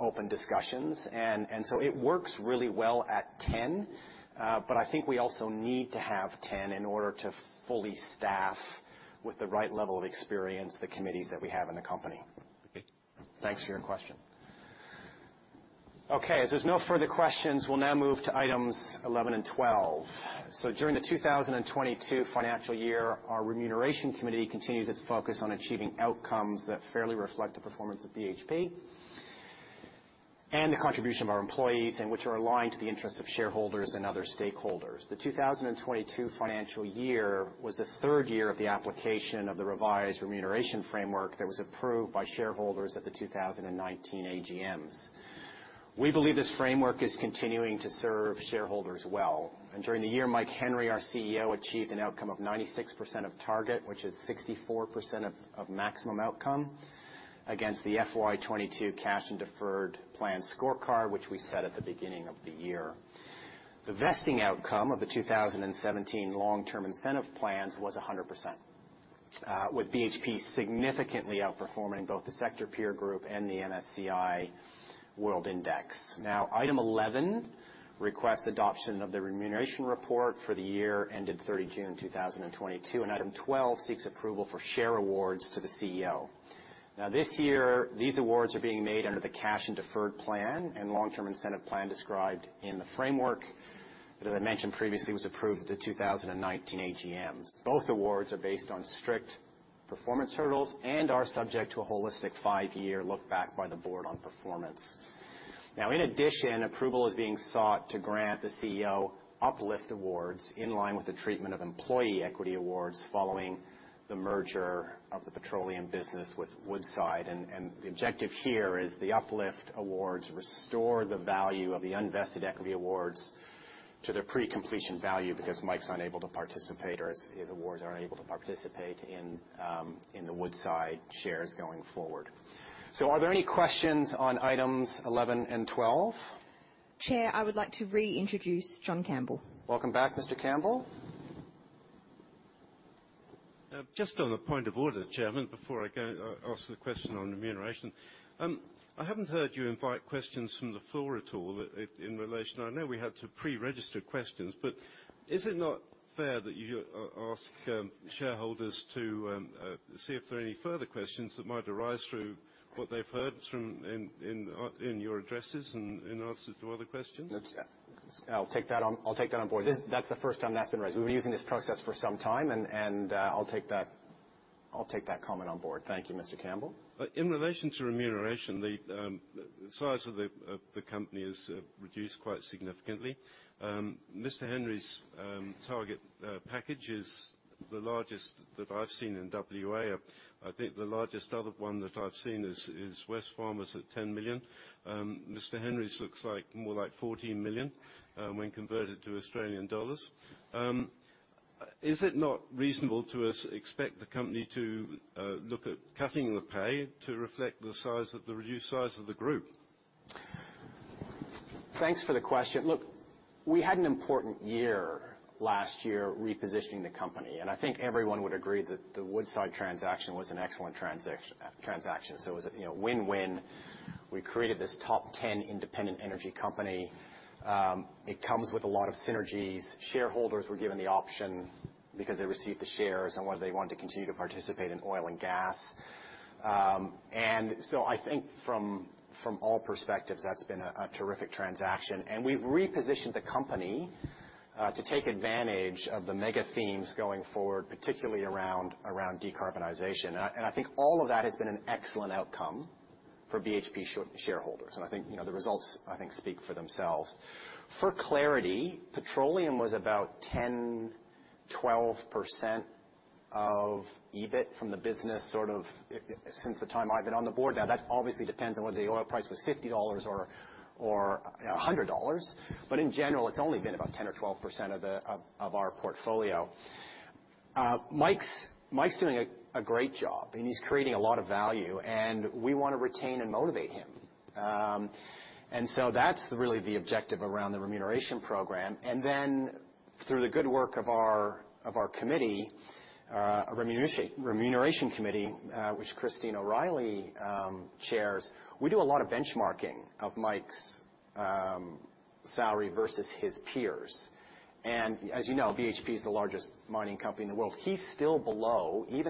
open discussions. It works really well at 10. I think we also need to have 10 in order to fully staff with the right level of experience, the committees that we have in the company. Thank you. Thanks for your question. Okay, as there's no further questions, we'll now move to items 11 and 12. During the 2022 financial year, our Remuneration Committee continued its focus on achieving outcomes that fairly reflect the performance of BHP and the contribution of our employees, and which are aligned to the interest of shareholders and other stakeholders. The 2022 financial year was the third year of the application of the revised remuneration framework that was approved by shareholders at the 2019 AGMs. We believe this framework is continuing to serve shareholders well. During the year, Mike Henry, our CEO, achieved an outcome of 96% of target, which is 64% of maximum outcome against the FY 2022 cash and deferred plan scorecard, which we set at the beginning of the year. The vesting outcome of the 2017 long-term incentive plans was 100%. With BHP significantly outperforming both the sector peer group and the MSCI World Index. Item 11 requests adoption of the remuneration report for the year ended 30 June 2022. Item 12 seeks approval for share awards to the CEO. This year, these awards are being made under the cash and deferred plan and long-term incentive plan described in the framework that I mentioned previously was approved at the 2019 AGMs. Both awards are based on strict performance hurdles and are subject to a holistic five-year look back by the board on performance. In addition, approval is being sought to grant the CEO uplift awards in line with the treatment of employee equity awards following the merger of the petroleum business with Woodside. The objective here is the uplift awards restore the value of the unvested equity awards to their pre-completion value because Mike's unable to participate, or his awards are unable to participate in the Woodside shares going forward. Are there any questions on items 11 and 12? Chair, I would like to reintroduce John Campbell. Welcome back, Mr. Campbell. Just on a point of order, Chairman, before I go ask the question on remuneration. I haven't heard you invite questions from the floor at all in relation. I know we had to pre-register questions, but is it not fair that you ask shareholders to see if there are any further questions that might arise through what they've heard in your addresses and in answer to other questions? I'll take that on board. That's the first time that's been raised. We've been using this process for some time, and I'll take that comment on board. Thank you, Mr. Campbell. In relation to remuneration, the size of the company has reduced quite significantly. Mr. Henry’s target package is the largest that I’ve seen in WA. I think the largest other one that I’ve seen is Wesfarmers at 10 million. Mr. Henry’s looks like more like 14 million, when converted to Australian dollars. Is it not reasonable to expect the company to look at cutting the pay to reflect the reduced size of the group? Thanks for the question. Look, we had an important year last year repositioning the company, and I think everyone would agree that the Woodside transaction was an excellent transaction. It was a, you know, win-win. We created this top ten independent energy company. It comes with a lot of synergies. Shareholders were given the option because they received the shares on whether they wanted to continue to participate in oil and gas. I think from all perspectives, that's been a terrific transaction. We've repositioned the company to take advantage of the mega themes going forward, particularly around decarbonization. I think all of that has been an excellent outcome for BHP shareholders. I think, you know, the results, I think, speak for themselves. For clarity, petroleum was about 10%-12% of EBIT from the business, sort of, since the time I've been on the board. Now, that obviously depends on whether the oil price was $50 or you know, $100. In general, it's only been about 10% or 12% of our portfolio. Mike's doing a great job, and he's creating a lot of value, and we wanna retain and motivate him. That's really the objective around the remuneration program. Then through the good work of our committee, our remuneration committee, which Christine O'Reilly chairs, we do a lot of benchmarking of Mike's salary versus his peers. As you know, BHP is the largest mining company in the world. He's still below. He is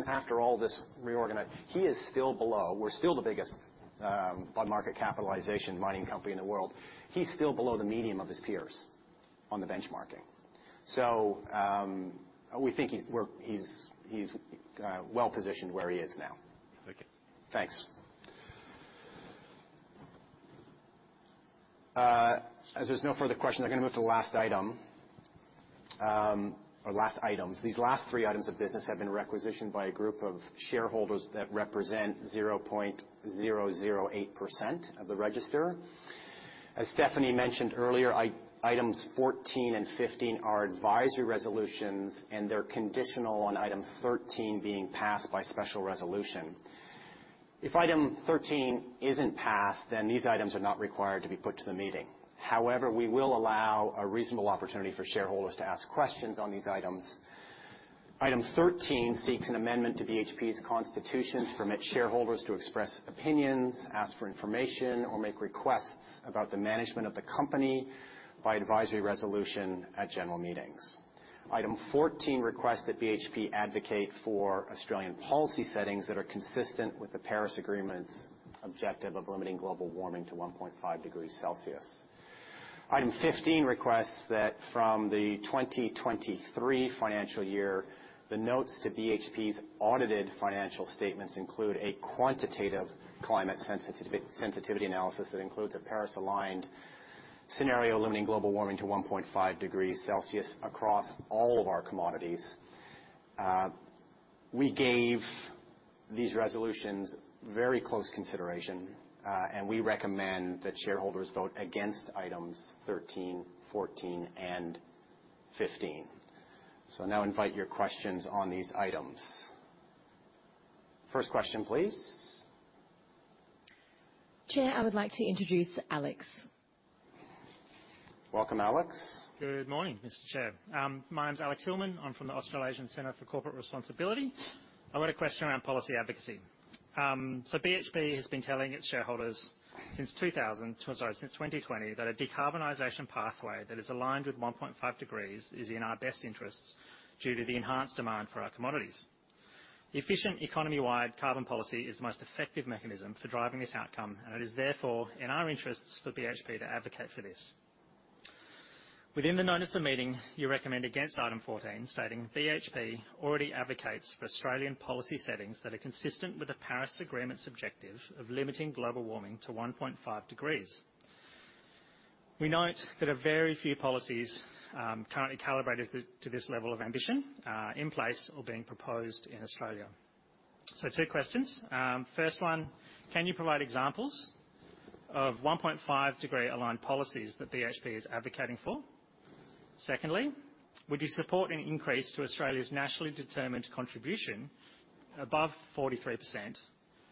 still below. We're still the biggest, by market capitalization, mining company in the world. He's still below the median of his peers on the benchmarking. We think he's well-positioned where he is now. Thank you. Thanks. As there's no further questions, I'm gonna move to the last item, or last items. These last three items of business have been requisitioned by a group of shareholders that represent 0.008% of the register. As Stefanie mentioned earlier, items 14 and 15 are advisory resolutions, and they're conditional on item 13 being passed by special resolution. If item 13 isn't passed, then these items are not required to be put to the meeting. However, we will allow a reasonable opportunity for shareholders to ask questions on these items. Item 13 seeks an amendment to BHP's constitution to permit shareholders to express opinions, ask for information, or make requests about the management of the company by advisory resolution at general meetings. Item 14 requests that BHP advocate for Australian policy settings that are consistent with the Paris Agreement's objective of limiting global warming to 1.5 degrees Celsius. Item 15 requests that from the 2023 financial year, the notes to BHP's audited financial statements include a quantitative climate sensitivity analysis that includes a Paris-aligned scenario limiting global warming to 1.5 degrees Celsius across all of our commodities. We gave these resolutions very close consideration, and we recommend that shareholders vote against items 13, 14, and 15. I now invite your questions on these items. First question, please. Chair, I would like to introduce Alex. Welcome, Alex. Good morning, Mr. Chair. My name's Alex Hillman. I'm from the Australasian Centre for Corporate Responsibility. I've got a question around policy advocacy. BHP has been telling its shareholders since 2020 that a decarbonization pathway that is aligned with 1.5 degrees is in our best interests due to the enhanced demand for our commodities. Efficient economy-wide carbon policy is the most effective mechanism for driving this outcome, and it is therefore in our interests for BHP to advocate for this. Within the notice of meeting, you recommend against item 14, stating BHP already advocates for Australian policy settings that are consistent with the Paris Agreement's objective of limiting global warming to 1.5 degrees. We note that there are very few policies currently calibrated to this level of ambition in place or being proposed in Australia. Two questions. First one, can you provide examples of 1.5 degree-aligned policies that BHP is advocating for? Secondly, would you support an increase to Australia's nationally determined contribution above 43%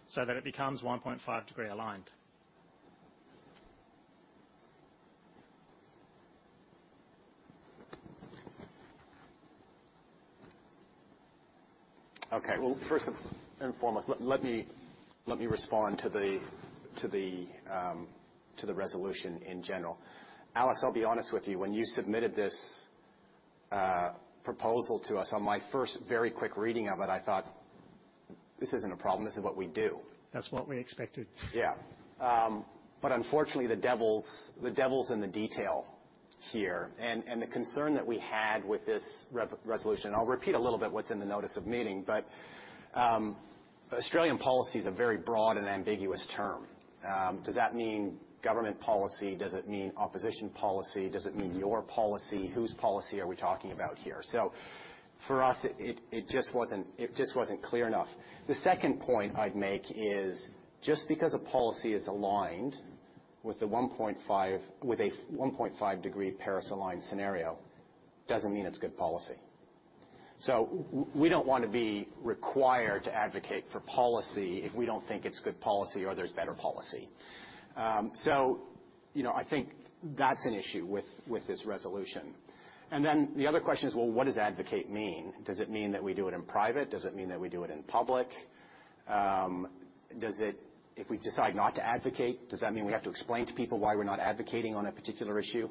so that it becomes 1.5 degree aligned? Okay. Well, first and foremost, let me respond to the resolution in general. Alex, I'll be honest with you. When you submitted this proposal to us, on my first very quick reading of it, I thought, "This isn't a problem. This is what we do. That's what we expected. Yeah. Unfortunately, the devil's in the detail here. The concern that we had with this resolution, I'll repeat a little bit what's in the notice of meeting. Australian policy is a very broad and ambiguous term. Does that mean government policy? Does it mean opposition policy? Does it mean your policy? Whose policy are we talking about here? For us, it just wasn't clear enough. The second point I'd make is just because a policy is aligned with the 1.5 degree Paris-aligned scenario doesn't mean it's good policy. We don't wanna be required to advocate for policy if we don't think it's good policy or there's better policy. You know, I think that's an issue with this resolution. The other question is, well, what does advocate mean? Does it mean that we do it in private? Does it mean that we do it in public? If we decide not to advocate, does that mean we have to explain to people why we're not advocating on a particular issue?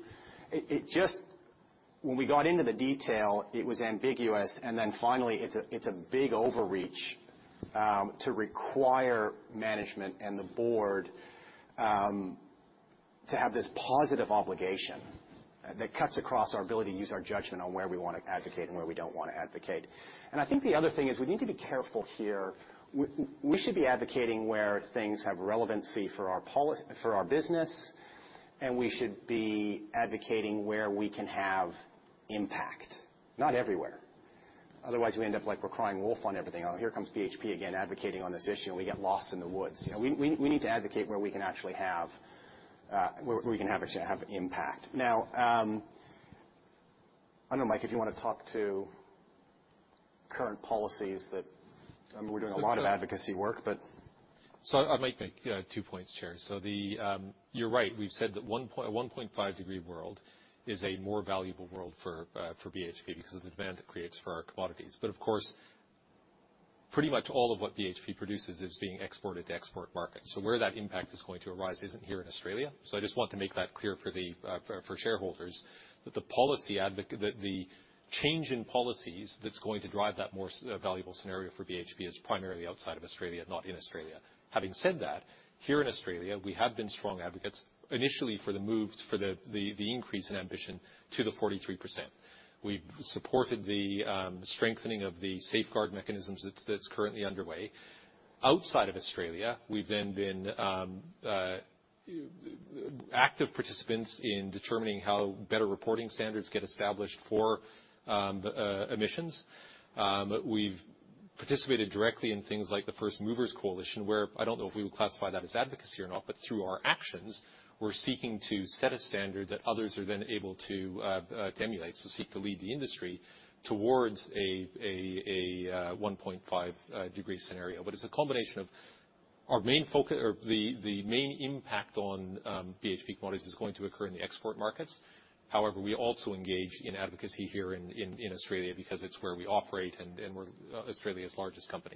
When we got into the detail, it was ambiguous. Finally, it's a big overreach to require management and the board to have this positive obligation that cuts across our ability to use our judgment on where we wanna advocate and where we don't wanna advocate. I think the other thing is we need to be careful here. We should be advocating where things have relevancy for our business, and we should be advocating where we can have impact, not everywhere. Otherwise, we end up like we're crying wolf on everything. Oh, here comes BHP again advocating on this issue, and we get lost in the woods. You know, we need to advocate where we can actually have impact. Now, I don't know, Mike, if you wanna talk to current policies. I mean, we're doing a lot of advocacy work but I might make, you know, two points, Chair. You're right. We've said that a 1.5-degree world is a more valuable world for BHP because of the demand it creates for our commodities. But of course, pretty much all of what BHP produces is being exported to export markets. Where that impact is going to arise isn't here in Australia. I just want to make that clear for the shareholders, that the change in policies that's going to drive that more valuable scenario for BHP is primarily outside of Australia, not in Australia. Having said that, here in Australia, we have been strong advocates initially for the moves for the increase in ambition to the 43%. We've supported the strengthening of the safeguard mechanisms that's currently underway. Outside of Australia, we've then been active participants in determining how better reporting standards get established for emissions. We've participated directly in things like the First Movers Coalition, where I don't know if we would classify that as advocacy or not, but through our actions, we're seeking to set a standard that others are then able to emulate. Seek to lead the industry towards a 1.5 degree scenario. But it's a combination of our main focus or the main impact on BHP commodities is going to occur in the export markets. However, we also engage in advocacy here in Australia because it's where we operate, and we're Australia's largest company.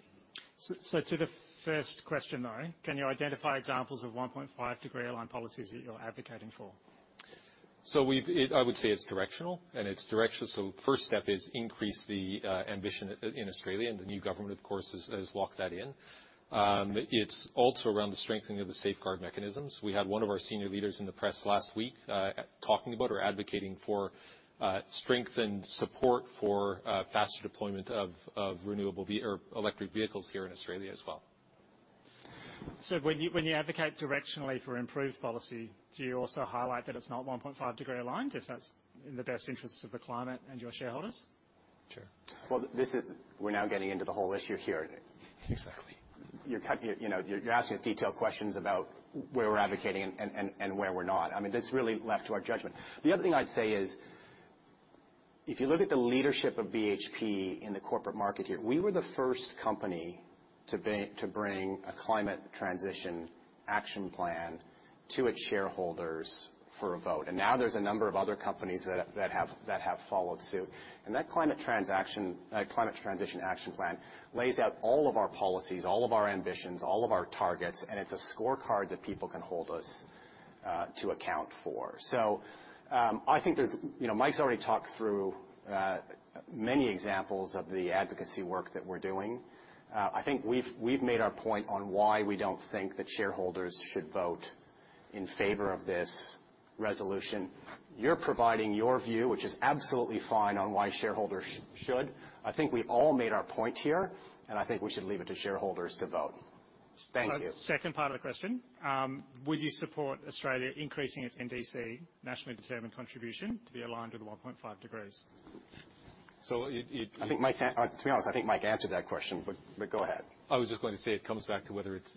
To the first question, though, can you identify examples of 1.5-degree aligned policies that you're advocating for? I would say it's directional, and it's directional. First step is increase the ambition in Australia, and the new government, of course, has locked that in. It's also around the strengthening of the safeguard mechanisms. We had one of our senior leaders in the press last week, talking about or advocating for strength and support for faster deployment of renewable or electric vehicles here in Australia as well. When you advocate directionally for improved policy, do you also highlight that it's not 1.5 degree aligned, if that's in the best interest of the climate and your shareholders? Sure. Well, we're now getting into the whole issue here. Exactly. You're, you know, you're asking us detailed questions about where we're advocating and where we're not. I mean, that's really left to our judgment. The other thing I'd say is if you look at the leadership of BHP in the corporate market here, we were the first company to bring a Climate Transition Action Plan to its shareholders for a vote. Now there's a number of other companies that have followed suit. That Climate Transition Action Plan lays out all of our policies, all of our ambitions, all of our targets, and it's a scorecard that people can hold us to account for. I think there's, you know, Mike's already talked through many examples of the advocacy work that we're doing. I think we've made our point on why we don't think that shareholders should vote in favor of this resolution. You're providing your view, which is absolutely fine, on why shareholders should. I think we've all made our point here, and I think we should leave it to shareholders to vote. Thank you. Second part of the question. Would you support Australia increasing its NDC, nationally determined contribution, to be aligned with the 1.5 degrees? It. To be honest, I think Mike answered that question, but go ahead. I was just going to say it comes back to whether it's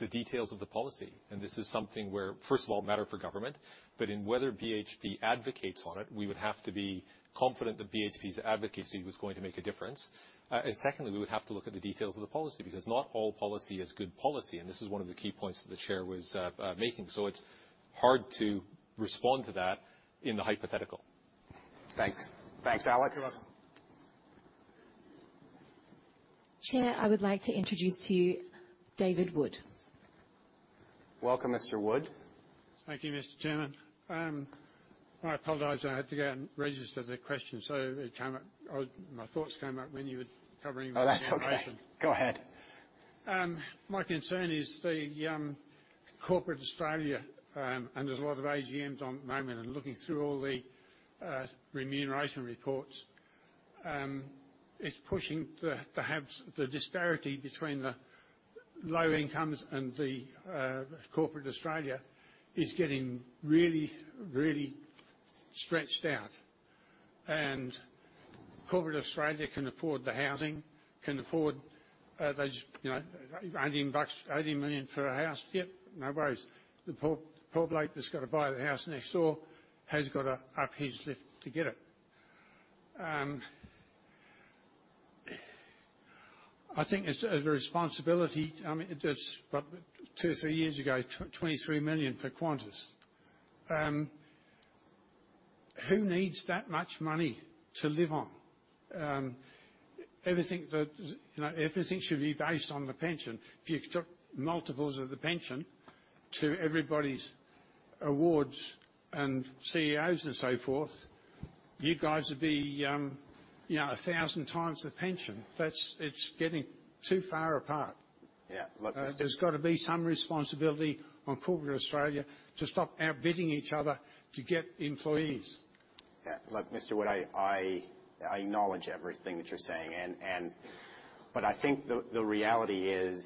the details of the policy, and this is something where, first of all, matter for government. In whether BHP advocates on it, we would have to be confident that BHP's advocacy was going to make a difference. And secondly, we would have to look at the details of the policy, because not all policy is good policy, and this is one of the key points that the chair was making. It's hard to respond to that in the hypothetical. Thanks. Thanks, Alex. You're welcome. Chair, I would like to introduce to you David Wood. Welcome, Mr. Wood. Thank you, Mr. Chairman. I apologize, I had to go and register the question. My thoughts came up when you were covering. Oh, that's okay. Go ahead. My concern is the corporate Australia, and there's a lot of AGMs on at the moment, and looking through all the remuneration reports, it's pushing the perhaps the disparity between the low incomes and the corporate Australia is getting really really stretched out. Corporate Australia can afford the housing, can afford those, you know, 80 bucks, 80 million for a house. Yep, no worries. The poor poor bloke that's gotta buy the house next door has got a uphill to get it. I think it's a responsibility. I mean, there's two-three years ago, 23 million for Qantas. Who needs that much money to live on? Everything that, you know, everything should be based on the pension. If you took multiples of the pension to everybody's awards and CEOs and so forth, you guys would be, you know, a thousand times the pension. It's getting too far apart. Yeah. Look, Mr. There's gotta be some responsibility on corporate Australia to stop outbidding each other to get employees. Yeah. Look, Mr. Wood, I acknowledge everything that you're saying. I think the reality is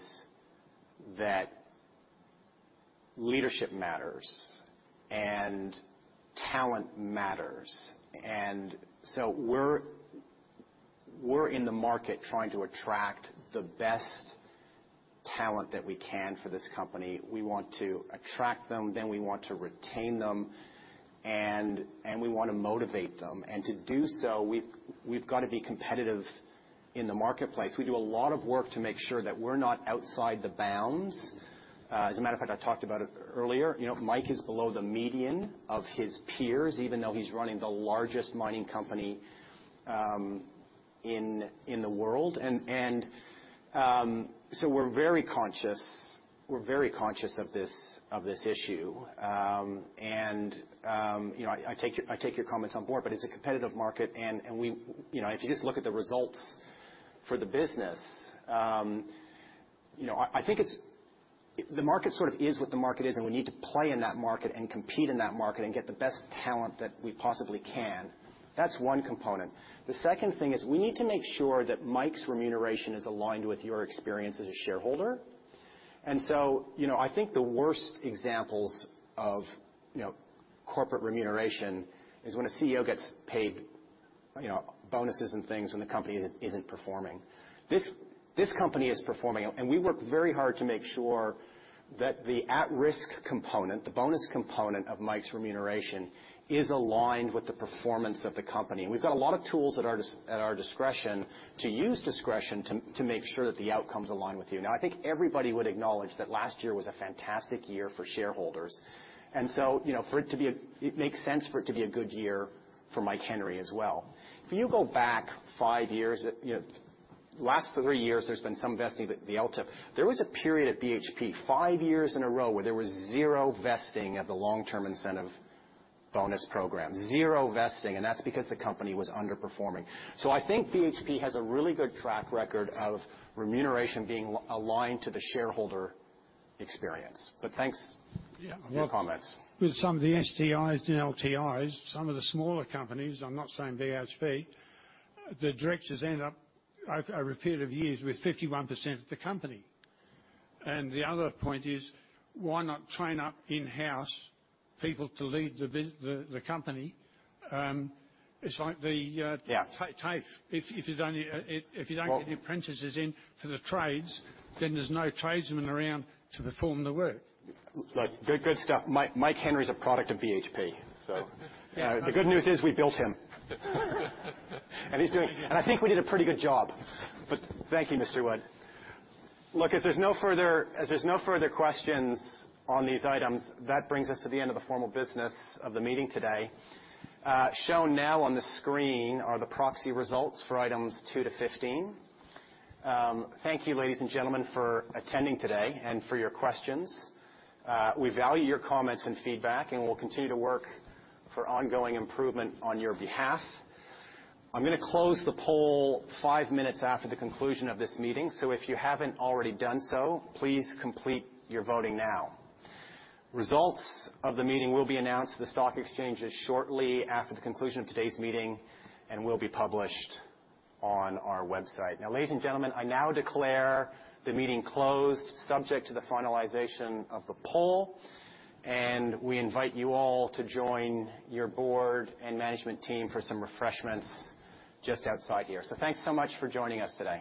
that leadership matters and talent matters, and so we're in the market trying to attract the best talent that we can for this company. We want to attract them, then we want to retain them, and we wanna motivate them. To do so, we've gotta be competitive in the marketplace. We do a lot of work to make sure that we're not outside the bounds. As a matter of fact, I talked about it earlier. You know, Mike is below the median of his peers, even though he's running the largest mining company in the world. We're very conscious of this issue. You know, I take your comments on board, but it's a competitive market and we. You know, if you just look at the results for the business, you know, I think it's. The market sort of is what the market is, and we need to play in that market and compete in that market and get the best talent that we possibly can. That's one component. The second thing is we need to make sure that Mike's remuneration is aligned with your experience as a shareholder. You know, I think the worst examples of corporate remuneration is when a CEO gets paid bonuses and things when the company isn't performing. This company is performing, and we work very hard to make sure that the at-risk component, the bonus component of Mike's remuneration is aligned with the performance of the company. We've got a lot of tools at our discretion to use discretion to make sure that the outcomes align with you. Now, I think everybody would acknowledge that last year was a fantastic year for shareholders. You know, it makes sense for it to be a good year for Mike Henry as well. If you go back five years, you know, last three years, there's been some vesting with the LTI. There was a period at BHP, five years in a row, where there was zero vesting at the long-term incentive bonus program. Zero vesting, and that's because the company was underperforming. I think BHP has a really good track record of remuneration being aligned to the shareholder experience. Thanks. Yeah. for your comments. With some of the STIs and LTIs, some of the smaller companies, I'm not saying BHP, the directors end up over a period of years with 51% of the company. The other point is, why not train up in-house people to lead the company? Yeah. If you don't Well- Get the apprentices in for the trades, then there's no tradesmen around to perform the work. Look, good stuff. Mike Henry is a product of BHP. Oh. The good news is we built him. I think we did a pretty good job. Thank you, Mr. Wood. Look, if there's no further questions on these items, that brings us to the end of the formal business of the meeting today. Shown now on the screen are the proxy results for items two to 15. Thank you, ladies and gentlemen, for attending today and for your questions. We value your comments and feedback, and we'll continue to work for ongoing improvement on your behalf. I'm gonna close the poll five minutes after the conclusion of this meeting, so if you haven't already done so, please complete your voting now. Results of the meeting will be announced to the stock exchanges shortly after the conclusion of today's meeting and will be published on our website. Now, ladies and gentlemen, I now declare the meeting closed subject to the finalization of the poll, and we invite you all to join your board and management team for some refreshments just outside here. Thanks so much for joining us today.